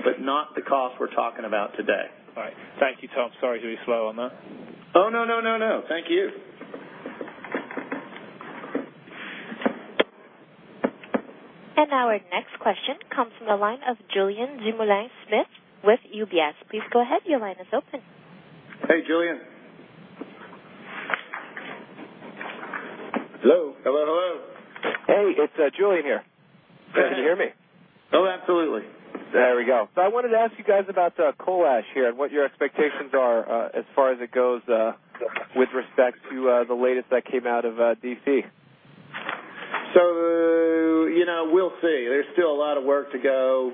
but not the cost we're talking about today. All right. Thank you, Tom. Sorry to be slow on that. Oh, no. Thank you. Now our next question comes from the line of Julien Dumoulin-Smith with UBS. Please go ahead, your line is open. Hey, Julien. Hello, hello. Hey, it's Julien here. Can you hear me? Absolutely. There we go. I wanted to ask you guys about coal ash here and what your expectations are as far as it goes with respect to the latest that came out of D.C. We'll see. There's still a lot of work to go.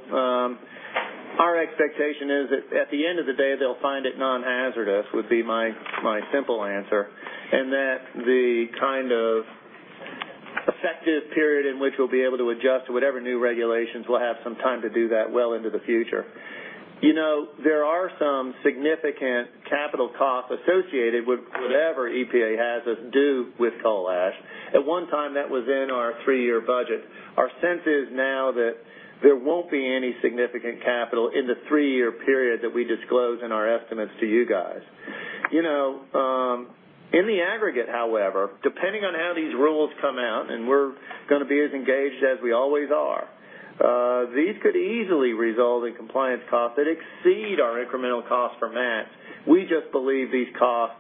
Our expectation is that at the end of the day, they'll find it non-hazardous, would be my simple answer, and that the kind of effective period in which we'll be able to adjust to whatever new regulations, we'll have some time to do that well into the future. There are some significant capital costs associated with whatever EPA has us do with coal ash. At one time, that was in our three-year budget. Our sense is now that there won't be any significant capital in the three-year period that we disclose in our estimates to you guys. In the aggregate, however, depending on how these rules come out, and we're going to be as engaged as we always are, these could easily result in compliance costs that exceed our incremental costs for MATS. We just believe these costs,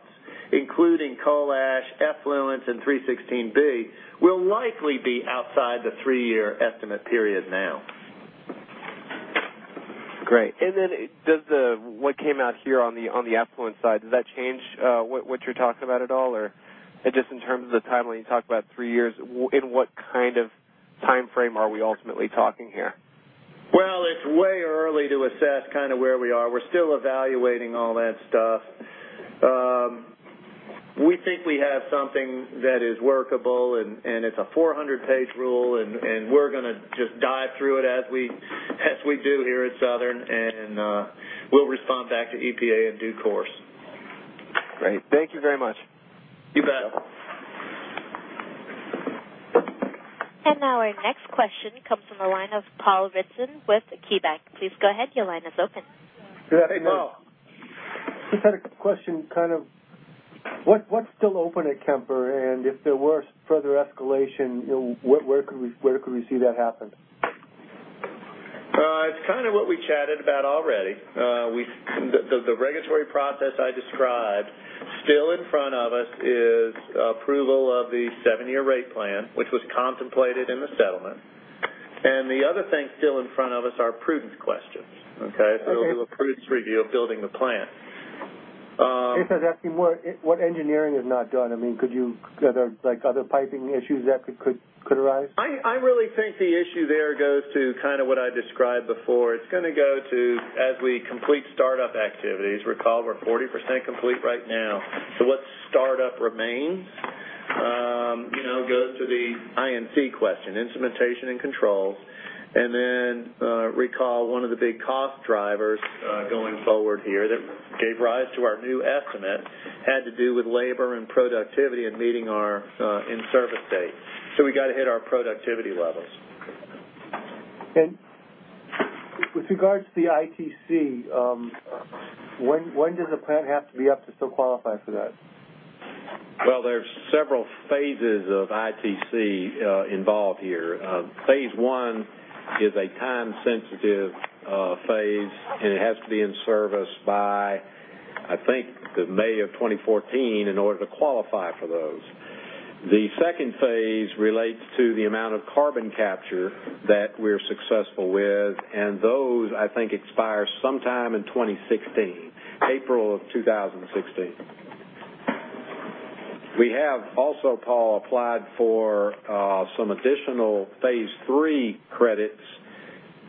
including coal ash, effluents, and 316, will likely be outside the three-year estimate period now. Great. What came out here on the effluent side, does that change what you're talking about at all? Or just in terms of the timeline, you talked about three years. In what kind of timeframe are we ultimately talking here? It's way early to assess where we are. We're still evaluating all that stuff. We think we have something that is workable, and it's a 400-page rule, and we're going to just dive through it as we do here at Southern, and we'll respond back to EPA in due course. Great. Thank you very much. You bet. Now our next question comes from the line of Paul Ritson with KeyBanc. Please go ahead, your line is open. Hey, Paul. Just had a question. What's still open at Kemper? If there were further escalation, where could we see that happen? It's kind of what we chatted about already. The regulatory process I described still in front of us is approval of the seven-year rate plan, which was contemplated in the settlement. The other thing still in front of us are prudence questions. Okay? Okay. It'll be a prudence review of building the plant. Just I was asking, what engineering have not done? Are there other piping issues that could arise? I really think the issue there goes to what I described before. It's going to go to as we complete startup activities. Recall we're 40% complete right now. What startup remains goes to the I&C question, instrumentation and control. Recall one of the big cost drivers going forward here that gave rise to our new estimate had to do with labor and productivity and meeting our in-service date. We got to hit our productivity levels. With regards to the ITC, when does the plant have to be up to still qualify for that? There's several phases of ITC involved here. Phase 1 is a time-sensitive phase, it has to be in service by, I think, the May of 2014 in order to qualify for those. The Phase 2 relates to the amount of carbon capture that we're successful with, those, I think, expire sometime in 2016, April of 2016. We have also, Paul, applied for some additional Phase 3 credits,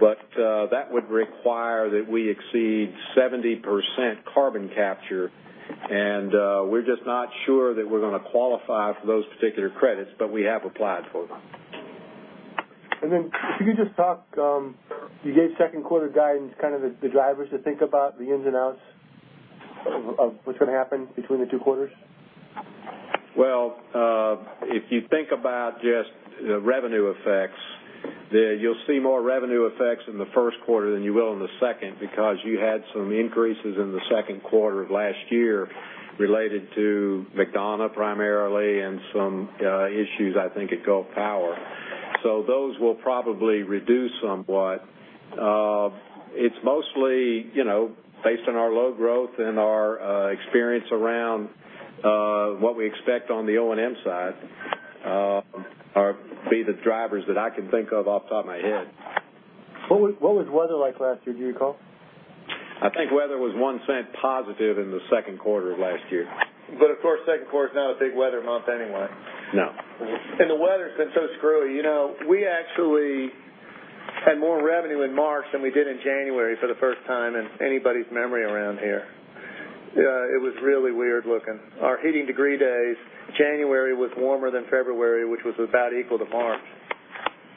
that would require that we exceed 70% carbon capture, and we're just not sure that we're going to qualify for those particular credits, we have applied for them. Could you just talk, you gave second quarter guidance, the drivers to think about, the ins and outs of what's going to happen between the two quarters? Well, if you think about just the revenue effects, you will see more revenue effects in the first quarter than you will in the second because you had some increases in the second quarter of last year related to McDonough primarily and some issues, I think, at Gulf Power. Those will probably reduce somewhat. It is mostly based on our low growth and our experience around what we expect on the O&M side are the drivers that I can think of off the top of my head. What was weather like last year, do you recall? I think weather was $0.01 positive in the second quarter of last year. Of course, second quarter is not a big weather month anyway. No. The weather has been so screwy. We actually had more revenue in March than we did in January for the first time in anybody's memory around here. It was really weird looking. Our heating degree days, January was warmer than February, which was about equal to March.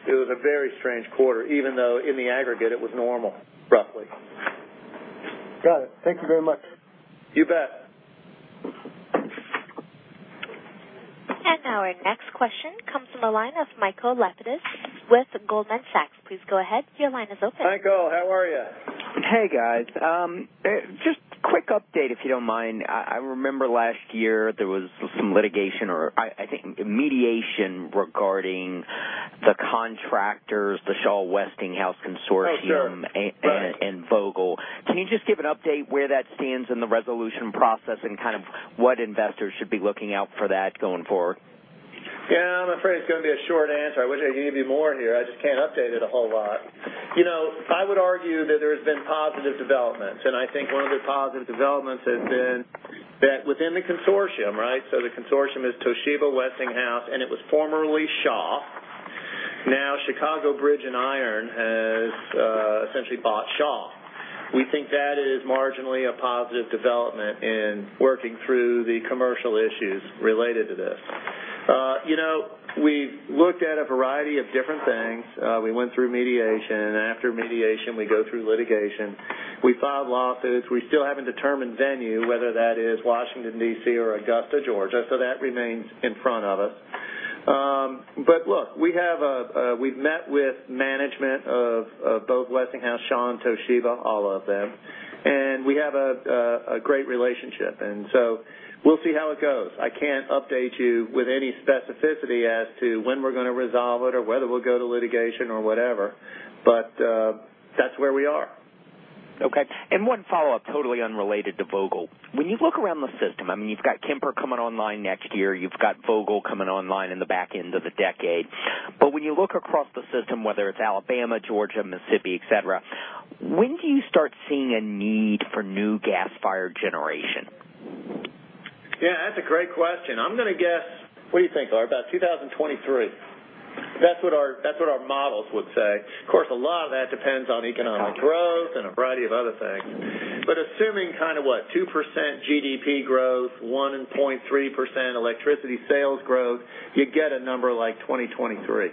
It was a very strange quarter, even though in the aggregate it was normal, roughly. Got it. Thank you very much. You bet. Now our next question comes from the line of Michael Lapidus with Goldman Sachs. Please go ahead, your line is open. Michael, how are you? Hey, guys. Just a quick update if you don't mind. I remember last year there was some litigation, or I think mediation regarding the contractors, the Shaw Westinghouse Consortium. Oh, sure. Right Vogtle. Can you just give an update where that stands in the resolution process and what investors should be looking out for that going forward? Yeah, I'm afraid it's going to be a short answer. I wish I could give you more here. I just can't update it a whole lot. I would argue that there has been positive developments, and I think one of the positive developments has been that within the consortium, right? The consortium is Toshiba Westinghouse, and it was formerly Shaw. Now Chicago Bridge & Iron has essentially bought Shaw. We think that is marginally a positive development in working through the commercial issues related to this. We've looked at a variety of different things. We went through mediation. After mediation, we go through litigation. We filed lawsuits. We still haven't determined venue, whether that is Washington, D.C. or Augusta, Georgia. That remains in front of us. Look, we've met with management of both Westinghouse, Shaw, and Toshiba, all of them, and we have a great relationship. We'll see how it goes. I can't update you with any specificity as to when we're going to resolve it or whether we'll go to litigation or whatever. That's where we are. One follow-up totally unrelated to Vogtle. When you look around the system, you've got Kemper coming online next year, you've got Vogtle coming online in the back end of the decade. When you look across the system, whether it's Alabama, Georgia, Mississippi, et cetera, when do you start seeing a need for new gas-fired generation? Yeah, that's a great question. I'm going to guess, what do you think, Art? About 2023. That's what our models would say. Of course, a lot of that depends on economic growth and a variety of other things. Assuming kind of what? 2% GDP growth, 1.3% electricity sales growth, you get a number like 2023.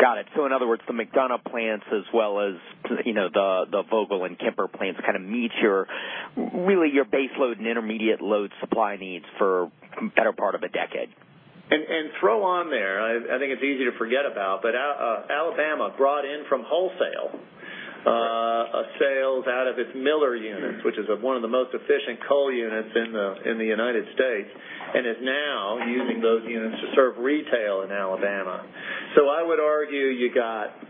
Got it. In other words, the McDonough plants, as well as the Vogtle and Kemper plants meet your base load and intermediate load supply needs for the better part of a decade. Throw on there, I think it's easy to forget about, Alabama brought in from wholesale sales out of its Miller units, which is one of the most efficient coal units in the United States, and is now using those units to serve retail in Alabama. I would argue you got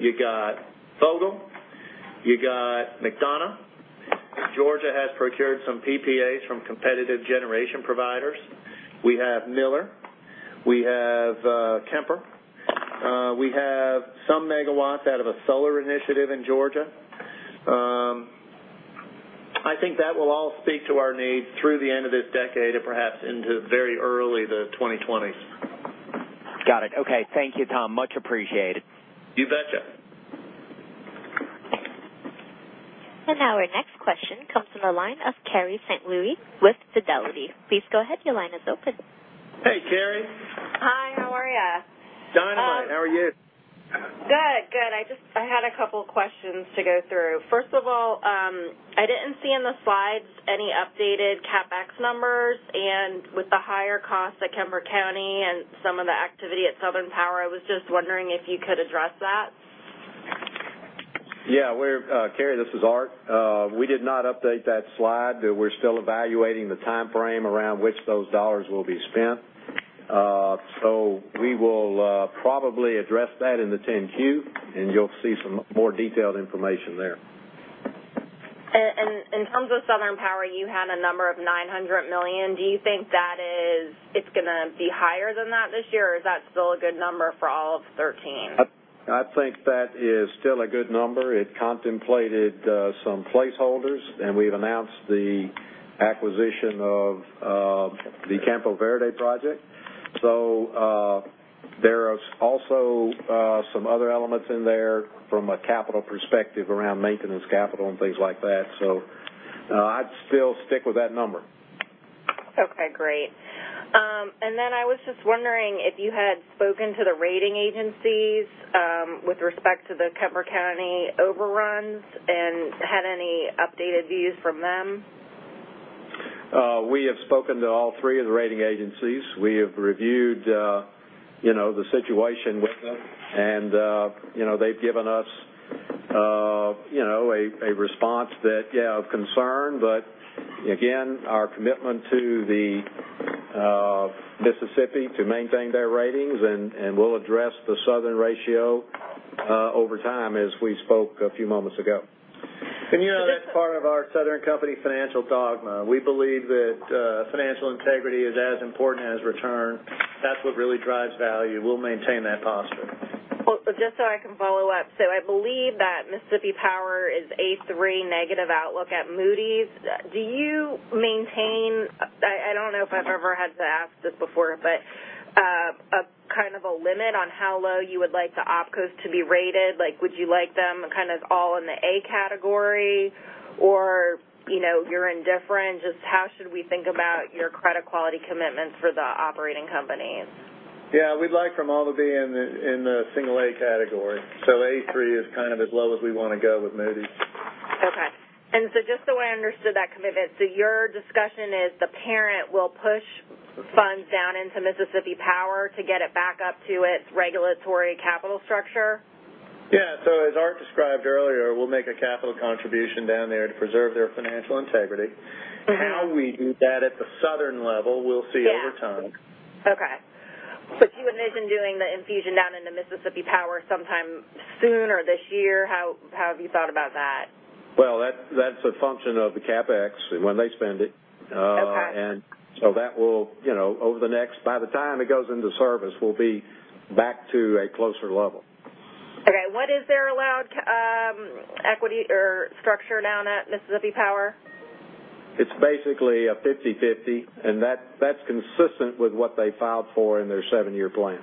Vogtle, you got McDonough. Georgia has procured some PPAs from competitive generation providers. We have Miller. We have Kemper. We have some megawatts out of a solar initiative in Georgia. I think that will all speak to our needs through the end of this decade and perhaps into very early the 2020s. Got it. Okay. Thank you, Tom. Much appreciated. You betcha. Now our next question comes from the line of Carrie St. Louis with Fidelity. Please go ahead, your line is open. Hey, Carrie. Hi, how are you? Fine. How are you? Good. I had a couple questions to go through. First of all, I didn't see in the slides any updated CapEx numbers. With the higher costs at Kemper County and some of the activity at Southern Power, I was just wondering if you could address that. Yeah. Carrie, this is Art. We did not update that slide. We're still evaluating the timeframe around which those dollars will be spent. We will probably address that in the 10-Q, and you'll see some more detailed information there. In terms of Southern Power, you had a number of $900 million. Do you think that it's going to be higher than that this year, or is that still a good number for all of 2013? I think that is still a good number. It contemplated some placeholders, and we've announced the acquisition of the Campo Verde project. There is also some other elements in there from a capital perspective around maintenance capital and things like that. I'd still stick with that number. Okay, great. Then I was just wondering if you had spoken to the rating agencies with respect to the Kemper County overruns and had any updated views from them. We have spoken to all three of the rating agencies. We have reviewed the situation with them, and they've given us a response that of concern. Again, our commitment to the Mississippi to maintain their ratings, and we'll address the Southern ratio over time as we spoke a few moments ago. That's part of our Southern Company financial dogma. We believe that financial integrity is as important as return. That's what really drives value. We'll maintain that posture. Well, just so I can follow up, I believe that Mississippi Power is A3 negative outlook at Moody's. Do you maintain, I don't know if I've ever had to ask this before, but a kind of a limit on how low you would like the opcos to be rated? Would you like them all in the A category? Or you're indifferent? Just how should we think about your credit quality commitments for the operating companies? Yeah, we'd like for them all to be in the single A category. A3 is kind of as low as we want to go with Moody's. Okay. Just so I understood that commitment, so your discussion is the parent will push funds down into Mississippi Power to get it back up to its regulatory capital structure? As Art described earlier, we'll make a capital contribution down there to preserve their financial integrity. How we do that at the Southern level, we'll see over time. Do you envision doing the infusion down into Mississippi Power sometime soon or this year? How have you thought about that? Well, that's a function of the CapEx and when they spend it. Okay. That will, by the time it goes into service, we'll be back to a closer level. Okay. What is their allowed equity or structure down at Mississippi Power? It's basically a 50/50, and that's consistent with what they filed for in their seven-year plan.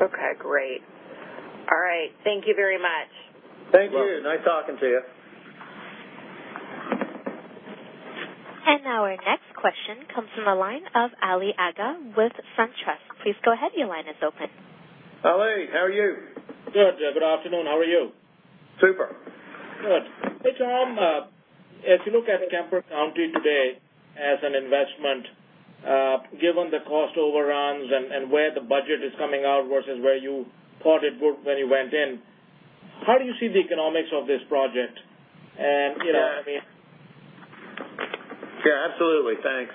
Okay, great. All right. Thank you very much. Thank you. Nice talking to you. Now our next question comes from the line of Ali Agha with SunTrust. Please go ahead. Your line is open. Ali, how are you? Good. Good afternoon. How are you? Super. Good. Hey, Tom. If you look at Kemper County today as an investment, given the cost overruns and where the budget is coming out versus where you thought it would when you went in, how do you see the economics of this project? You know what I mean. Yeah, absolutely. Thanks.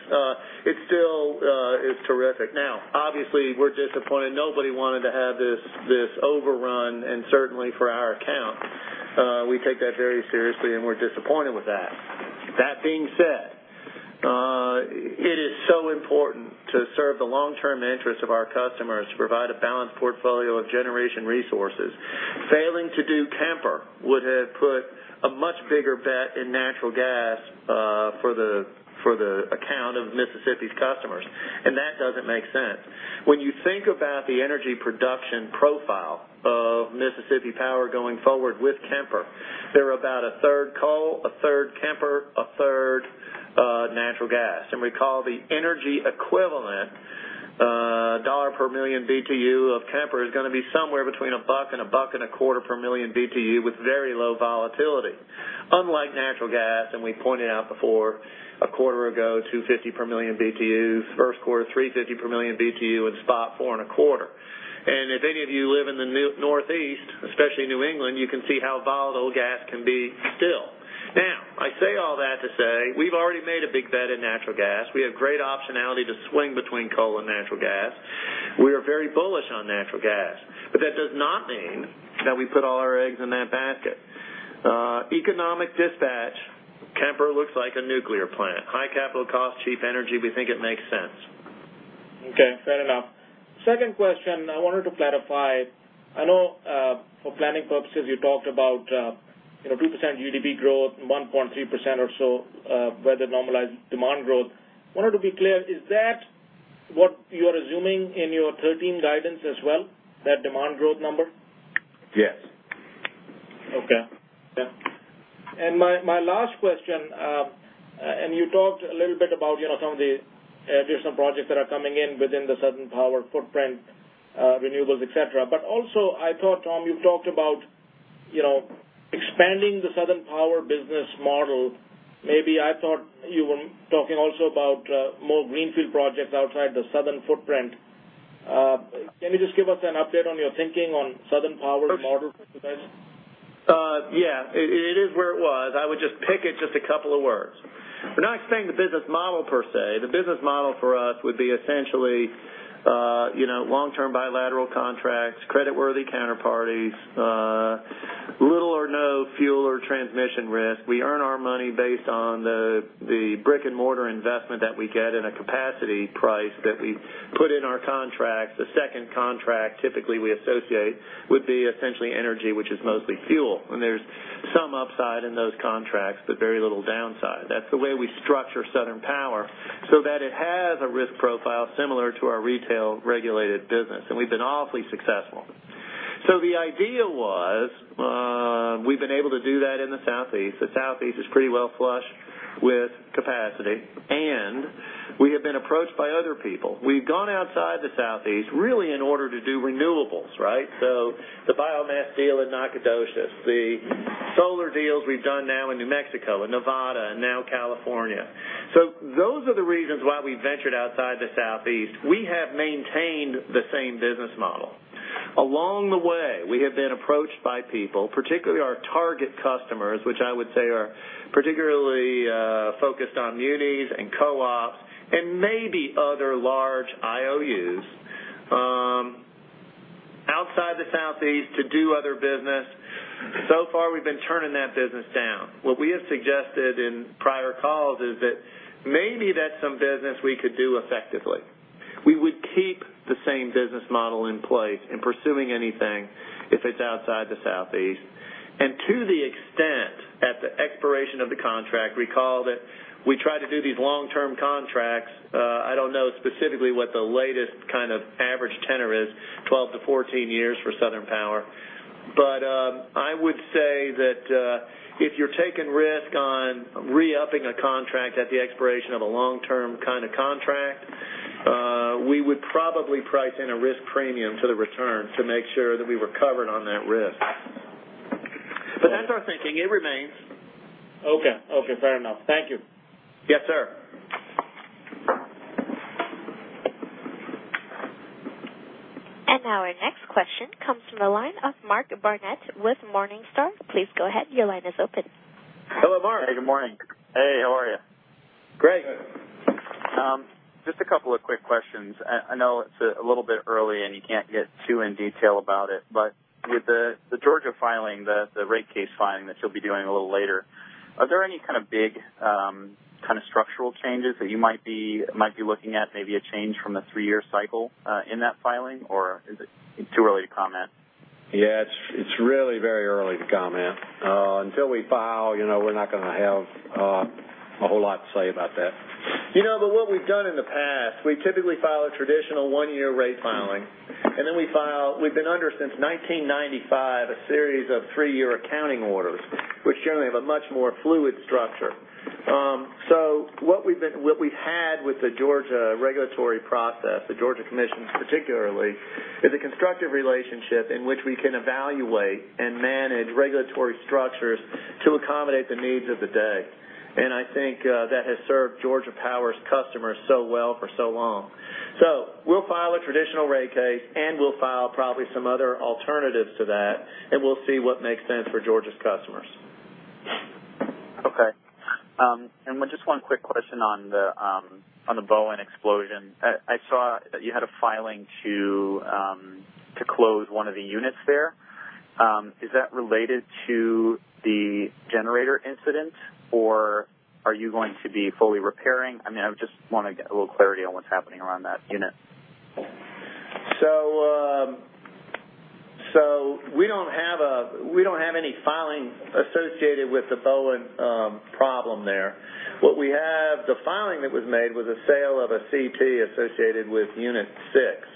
It still is terrific. Obviously, we're disappointed. Nobody wanted to have this overrun and certainly for our account. We take that very seriously, and we're disappointed with that. That being said, it is so important to serve the long-term interests of our customers to provide a balanced portfolio of generation resources. Failing to do Kemper would have put a much bigger bet in natural gas for the account of Mississippi's customers. That doesn't make sense. When you think about the energy production profile of Mississippi Power going forward with Kemper, they're about a third coal, a third Kemper, a third natural gas. We call the energy equivalent dollar per million BTU of Kemper is going to be somewhere between $1 and $1.25 per million BTU with very low volatility. Unlike natural gas, and we pointed out before, a quarter ago, $2.50 per million BTU, first quarter $3.50 per million BTU, and spot $4.25. If any of you live in the Northeast, especially New England, you can see how volatile gas can be still. I say all that to say we've already made a big bet in natural gas. We have great optionality to swing between coal and natural gas. We are very bullish on natural gas. That does not mean that we put all our eggs in that basket. Economic dispatch, Kemper looks like a nuclear plant. High capital cost, cheap energy. We think it makes sense. Okay. Fair enough. Second question I wanted to clarify. I know, for planning purposes, you talked about 2% GDP growth, 1.3% or so, whether normalized demand growth. Wanted to be clear, is that what you are assuming in your 2013 guidance as well, that demand growth number? Yes. My last question, you talked a little bit about some of the additional projects that are coming in within the Southern Power footprint, renewables, et cetera. Also, I thought, Tom, you talked about expanding the Southern Power business model. Maybe I thought you were talking also about more greenfield projects outside the Southern footprint. Can you just give us an update on your thinking on Southern Power's model for today? Yeah. It is where it was. I would just pick it a couple of words. We're not expanding the business model per se. The business model for us would be essentially long-term bilateral contracts, creditworthy counterparties, little or no fuel or transmission risk. We earn our money based on the brick-and-mortar investment that we get in a capacity price that we put in our contracts. The second contract typically we associate would be essentially energy, which is mostly fuel. There's some upside in those contracts, but very little downside. That's the way we structure Southern Power so that it has a risk profile similar to our retail regulated business, and we've been awfully successful. The idea was we've been able to do that in the Southeast. The Southeast is pretty well flushed with capacity, and we have been approached by other people. We've gone outside the Southeast really in order to do renewables, right? The biomass deal in Nacogdoches, the solar deals we've done now in New Mexico and Nevada and now California. Those are the reasons why we ventured outside the Southeast. We have maintained the same business model. Along the way, we have been approached by people, particularly our target customers, which I would say are particularly focused on munis and co-ops and maybe other large IOUs outside the Southeast to do other business. So far, we've been turning that business down. What we have suggested in prior calls is that maybe that's some business we could do effectively. We would keep the same business model in place in pursuing anything if it's outside the Southeast. To the extent, at the expiration of the contract, recall that we try to do these long-term contracts. I don't know specifically what the latest kind of average tenor is, 12 to 14 years for Southern Power. I would say that if you're taking risk on re-upping a contract at the expiration of a long-term kind of contract We would probably price in a risk premium for the return to make sure that we were covered on that risk. That's our thinking. It remains. Okay. Fair enough. Thank you. Yes, sir. Now our next question comes from the line of Mark Barnett with Morningstar. Please go ahead. Your line is open. Hello, Mark. Hey, good morning. Hey, how are you? Great. Just a couple of quick questions. I know it's a little bit early, you can't get too in detail about it, but with the Georgia filing, the rate case filing that you'll be doing a little later, are there any big structural changes that you might be looking at, maybe a change from the three-year cycle in that filing, or is it too early to comment? Yeah, it's really very early to comment. Until we file, we're not going to have a whole lot to say about that. What we've done in the past, we typically file a traditional one-year rate filing, then we file, we've been under since 1995, a series of three-year accounting orders, which generally have a much more fluid structure. What we've had with the Georgia regulatory process, the Georgia Commission particularly, is a constructive relationship in which we can evaluate and manage regulatory structures to accommodate the needs of the day. I think that has served Georgia Power's customers so well for so long. We'll file a traditional rate case, and we'll file probably some other alternatives to that, and we'll see what makes sense for Georgia's customers. Okay. Just one quick question on the Bowen explosion. I saw that you had a filing to close one of the units there. Is that related to the generator incident, or are you going to be fully repairing? I just want to get a little clarity on what's happening around that unit. We don't have any filing associated with the Bowen problem there. What we have, the filing that was made was a sale of a CT associated with unit 6.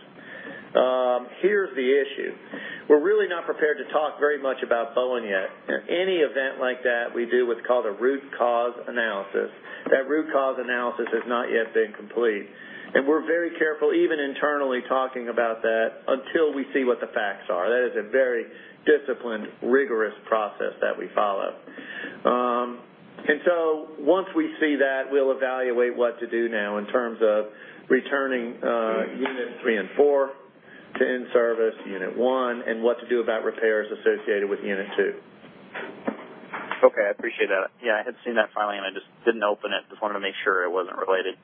Here's the issue. We're really not prepared to talk very much about Bowen yet. Any event like that, we do what's called a root cause analysis. That root cause analysis has not yet been complete. We're very careful, even internally, talking about that until we see what the facts are. That is a very disciplined, rigorous process that we follow. Once we see that, we'll evaluate what to do now in terms of returning unit 3 and 4 to in-service unit 1 and what to do about repairs associated with unit 2. Okay. I appreciate that. Yeah, I had seen that filing, I just didn't open it. Just wanted to make sure it wasn't related.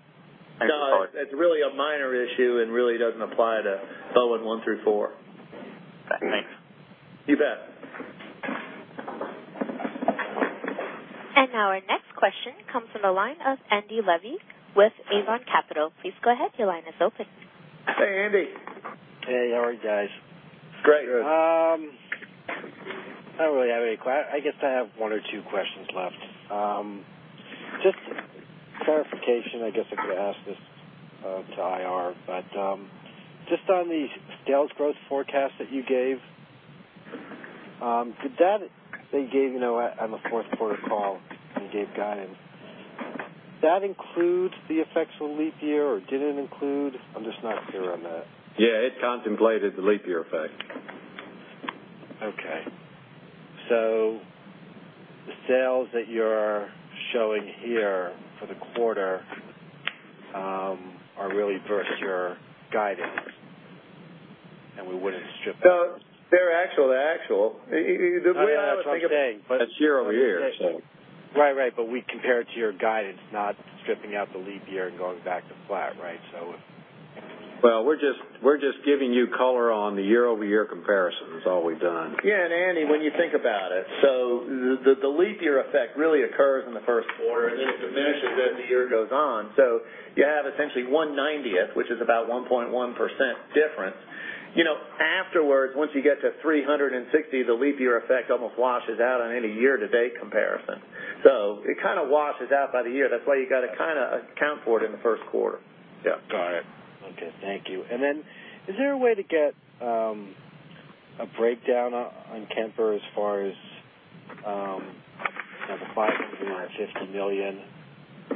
Thank you for the- No, it's really a minor issue and really doesn't apply to Bowen one through four. Okay, thanks. You bet. Now our next question comes from the line of Andy Levy with Avon Capital. Please go ahead. Your line is open. Hey, Andy. Hey, how are you guys? Great. Good. I don't really have any, I guess I have one or two questions left. Just clarification, I guess I could ask this to IR, but just on the sales growth forecast that you gave on the fourth quarter call when you gave guidance, that includes the effects of leap year or did it include? I'm just not clear on that. Yeah, it contemplated the leap year effect. Okay. The sales that you're showing here for the quarter are really versus your guidance, and we wouldn't strip that- No, they're actual to actual. I know, that's what I'm saying. That's year-over-year. Right. We compare it to your guidance, not stripping out the leap year and going back to flat, right? We're just giving you color on the year-over-year comparison is all we've done. Andy, when you think about it, the leap year effect really occurs in the first quarter, and then it diminishes as the year goes on. You have essentially 1/90th, which is about 1.1% difference. Afterwards, once you get to 360, the leap year effect almost washes out on any year-to-date comparison. It washes out by the year. That's why you got to account for it in the first quarter. Yeah. Got it. Okay. Thank you. Is there a way to get a breakdown on Kemper as far as the $550 million,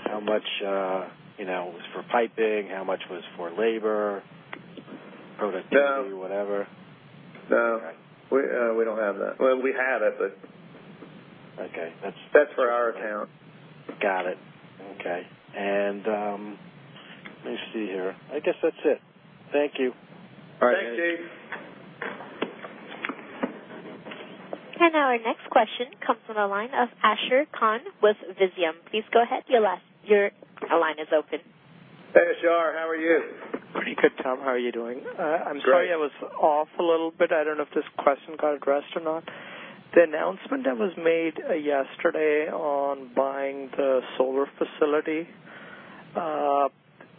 how much was for piping, how much was for labor, productivity, whatever? No. We don't have that. Well, we have it, but- Okay. That's- That's for our account. Got it. Okay. Let me see here. I guess that's it. Thank you. All right, Andy. Thanks, Dave. Now our next question comes from the line of Ashar Khan with Visium. Please go ahead. Your line is open. Hey, Ashar. How are you? Pretty good, Tom. How are you doing? Great. I'm sorry I was off a little bit. I don't know if this question got addressed or not. The announcement that was made yesterday on buying the solar facility,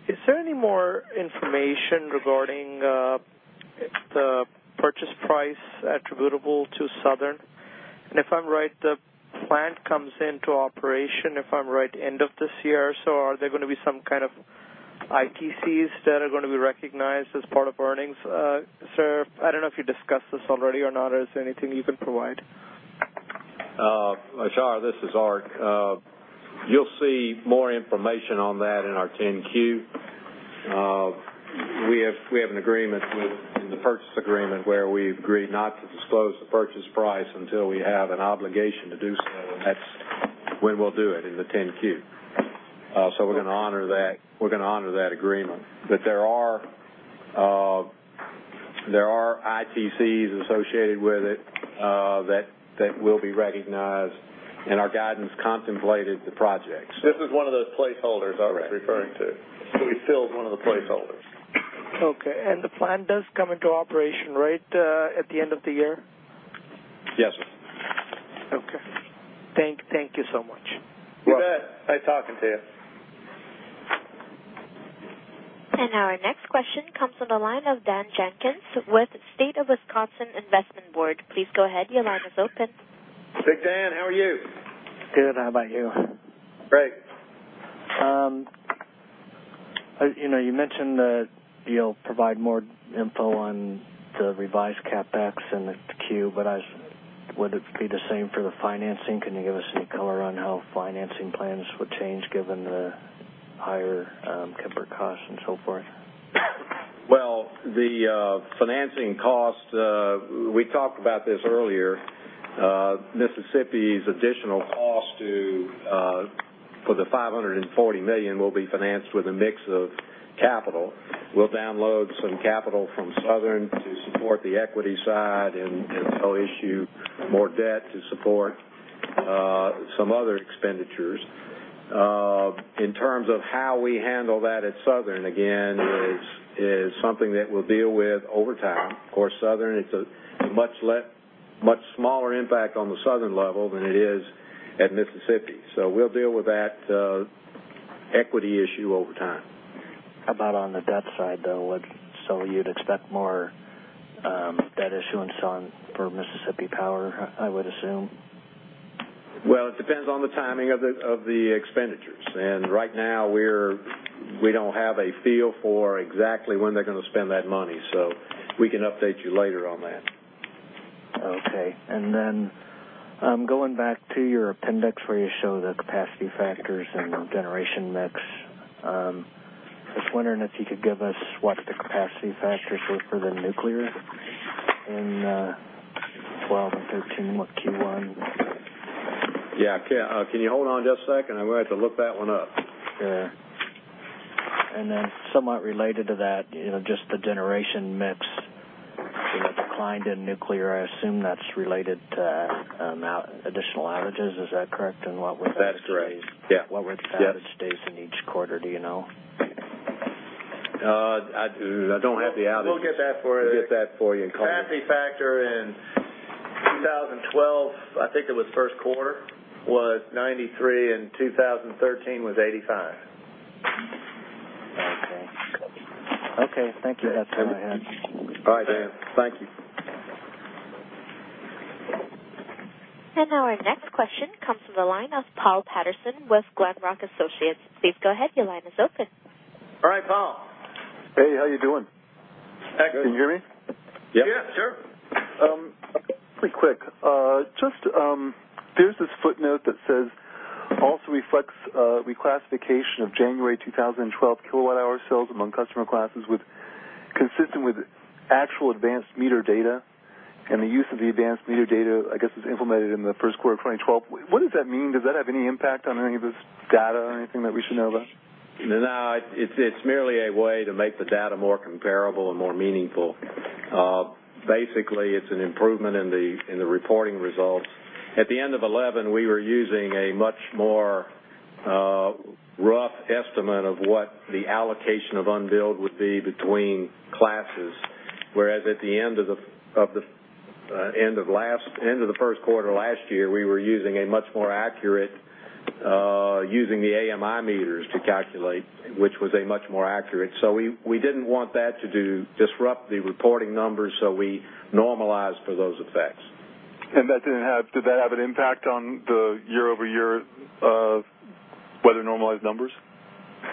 is there any more information regarding the purchase price attributable to Southern? If I'm right, the plant comes into operation, if I'm right, end of this year. Are there going to be some kind of ITCs that are going to be recognized as part of earnings? Sir, I don't know if you discussed this already or not. Is there anything you can provide? Ashar, this is Art. You'll see more information on that in our 10-Q. We have an agreement in the purchase agreement where we've agreed not to disclose the purchase price until we have an obligation to do so, and that's when we'll do it, in the 10-Q. We're going to honor that agreement. There are ITCs associated with it that will be recognized, and our guidance contemplated the project. This is one of those placeholders Art's referring to. We filled one of the placeholders. Okay. The plan does come into operation right at the end of the year? Yes, sir. Okay. Thank you so much. You bet. Nice talking to you. Our next question comes from the line of Dan Jenkins with State of Wisconsin Investment Board. Please go ahead, your line is open. Big Dan, how are you? Good, how about you? Great. You mentioned that you'll provide more info on the revised CapEx and the Q, would it be the same for the financing? Can you give us any color on how financing plans would change given the higher Kemper cost and so forth? The financing cost, we talked about this earlier. Mississippi's additional cost for the $540 million will be financed with a mix of capital. We'll download some capital from Southern to support the equity side issue more debt to support some other expenditures. In terms of how we handle that at Southern, again, is something that we'll deal with over time. For Southern, it's a much smaller impact on the Southern level than it is at Mississippi. We'll deal with that equity issue over time. How about on the debt side, though? You'd expect more debt issuance on for Mississippi Power, I would assume? It depends on the timing of the expenditures, right now we don't have a feel for exactly when they're going to spend that money. We can update you later on that. Okay. Going back to your appendix where you show the capacity factors and generation mix. Just wondering if you could give us what the capacity factors were for the nuclear in 2012 and 2013, what Q1? Yeah. Can you hold on just a second? I'm going to have to look that one up. Yeah. Then somewhat related to that, just the generation mix declined in nuclear. I assume that's related to additional outages. Is that correct? What were the That's correct. Yeah. outage days in each quarter, do you know? I don't have the outages. We'll get that for you. We'll get that for you and call you back. Capacity factor in 2012, I think it was first quarter, was 93, and 2013 was 85. Okay. Thank you. That is all I had. All right, Dan. Thank you. Now our next question comes from the line of Paul Patterson with Glenrock Associates. Please go ahead, your line is open. All right, Paul. Hey, how you doing? Excellent. Can you hear me? Yeah. Sure. Pretty quick. There's this footnote that says, "Also reflects reclassification of January 2012 kilowatt hour sales among customer classes consistent with actual advanced meter data." The use of the advanced meter data, I guess, is implemented in the first quarter of 2012. What does that mean? Does that have any impact on any of this data or anything that we should know about? No. It's merely a way to make the data more comparable and more meaningful. Basically, it's an improvement in the reporting results. At the end of 2011, we were using a much more rough estimate of what the allocation of unbilled would be between classes. Whereas at the end of the first quarter last year, we were using a much more accurate, using the AMI meters to calculate, which was a much more accurate. We didn't want that to disrupt the reporting numbers, so we normalized for those effects. Did that have an impact on the year-over-year, whether normalized numbers?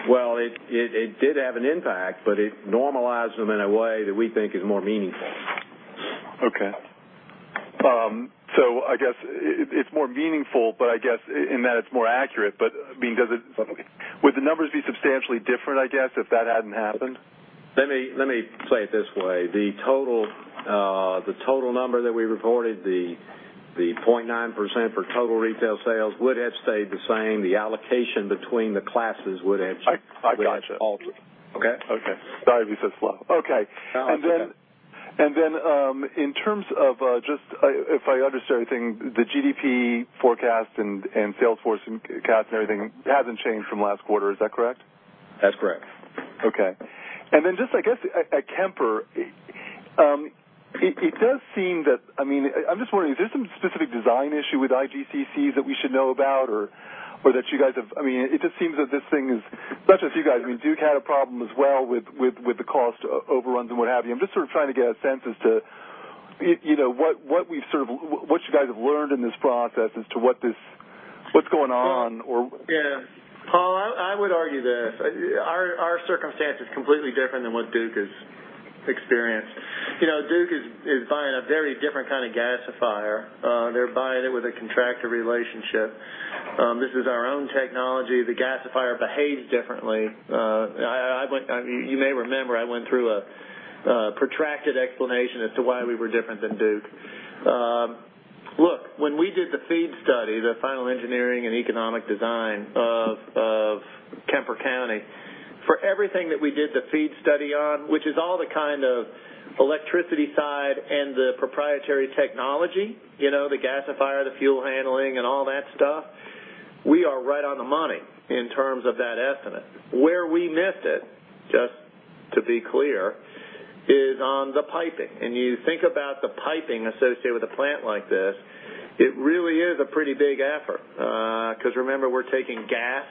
Well, it did have an impact, but it normalized them in a way that we think is more meaningful. Okay. I guess it's more meaningful, but I guess in that it's more accurate. Would the numbers be substantially different, I guess, if that hadn't happened? Let me say it this way. The total number that we reported, the 0.9% for total retail sales, would have stayed the same. The allocation between the classes would have- I gotcha. altered. Okay? Okay. Sorry to be so slow. Okay. No, I understand. In terms of just, if I understand anything, the GDP forecast and sales forecast and everything hasn't changed from last quarter. Is that correct? That's correct. Okay. Just I guess at Kemper, it does seem that I'm just wondering, is there some specific design issue with IGCCs that we should know about? It just seems that this thing is, not just you guys, I mean, Duke had a problem as well with the cost overruns and what have you. I'm just sort of trying to get a sense as to what you guys have learned in this process as to what's going on? Yeah. Paul, I would argue this. Our circumstance is completely different than what Duke Energy has experienced. Duke Energy is buying a very different kind of gasifier. They're buying it with a contractor relationship. This is our own technology. The gasifier behaves differently. You may remember, I went through a protracted explanation as to why we were different than Duke Energy. Look, when we did the FEED study, the final engineering and economic design of Kemper County, for everything that we did the FEED study on, which is all the electricity side and the proprietary technology, the gasifier, the fuel handling, and all that stuff, we are right on the money in terms of that estimate. Where we missed it, just to be clear, is on the piping. You think about the piping associated with a plant like this, it really is a pretty big effort. Remember, we're taking gas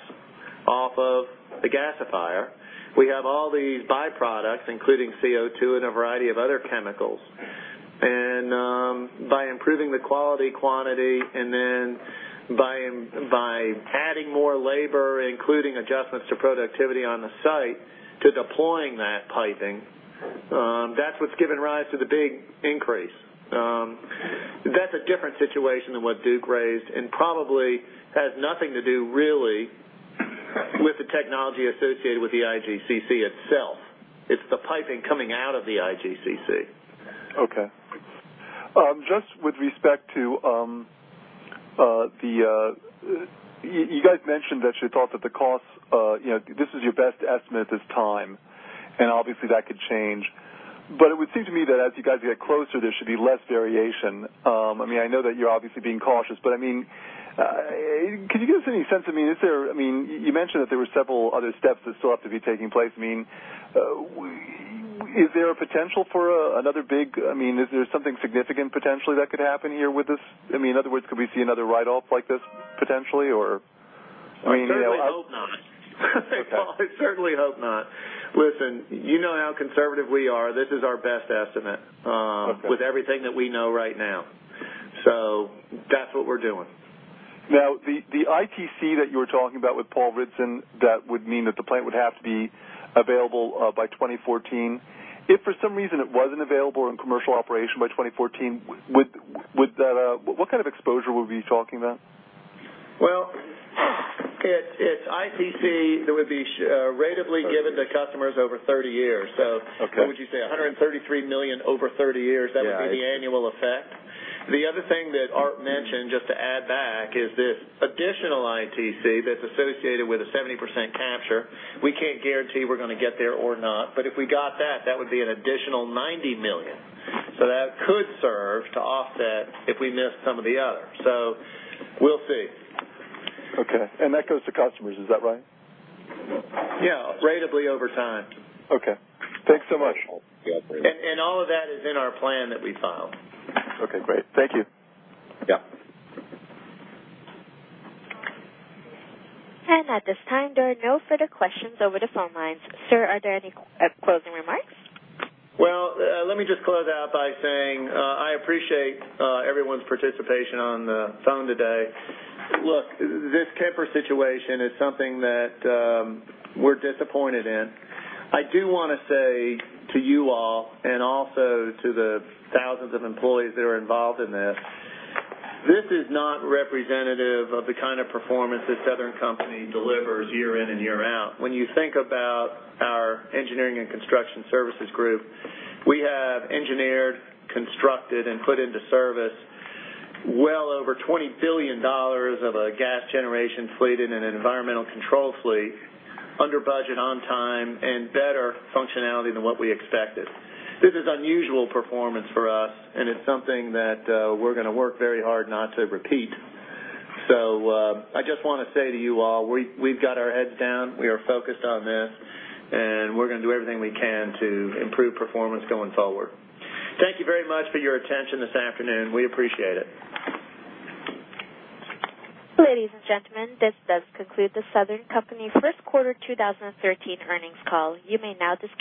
off of the gasifier. We have all these byproducts, including CO2 and a variety of other chemicals. By improving the quality, quantity, and then by adding more labor, including adjustments to productivity on the site to deploying that piping, that's what's given rise to the big increase. That's a different situation than what Duke Energy raised, and probably has nothing to do really with the technology associated with the IGCC itself. It's the piping coming out of the IGCC. Okay. Just with respect to the You guys mentioned that you thought that the cost, this is your best estimate at this time, and obviously that could change. It would seem to me that as you guys get closer, there should be less variation. I know that you're obviously being cautious, but can you give us any sense? You mentioned that there were several other steps that still have to be taking place. Is there something significant potentially that could happen here with this? In other words, could we see another write-off like this potentially? I certainly hope not. Okay. Paul, I certainly hope not. Listen, you know how conservative we are. This is our best estimate. Okay With everything that we know right now. That's what we're doing. The ITC that you were talking about with Paul Ritson, that would mean that the plant would have to be available by 2014. If for some reason it wasn't available in commercial operation by 2014, what kind of exposure are we talking about? Well, it's ITC that would be ratably given to customers over 30 years. Okay. What would you say, $133 million over 30 years. Yeah That would be the annual effect. The other thing that Art mentioned, just to add back, is this additional ITC that's associated with a 70% capture. We can't guarantee we're going to get there or not. If we got that would be an additional $90 million. That could serve to offset if we missed some of the others. We'll see. Okay. That goes to customers, is that right? Yeah. Ratably over time. Okay. Thanks so much. All of that is in our plan that we filed. Okay, great. Thank you. Yeah. At this time, there are no further questions over the phone lines. Sir, are there any closing remarks? Let me just close out by saying I appreciate everyone's participation on the phone today. Look, this Kemper situation is something that we're disappointed in. I do want to say to you all, and also to the thousands of employees that are involved in this is not representative of the kind of performance that Southern Company delivers year in and year out. When you think about our engineering and construction services group, we have engineered, constructed, and put into service well over $20 billion of a gas generation fleet and an environmental control fleet under budget, on time, and better functionality than what we expected. This is unusual performance for us, and it's something that we're going to work very hard not to repeat. I just want to say to you all, we've got our heads down. We are focused on this, and we're going to do everything we can to improve performance going forward. Thank you very much for your attention this afternoon. We appreciate it. Ladies and gentlemen, this does conclude the Southern Company first quarter 2013 earnings call. You may now disconnect.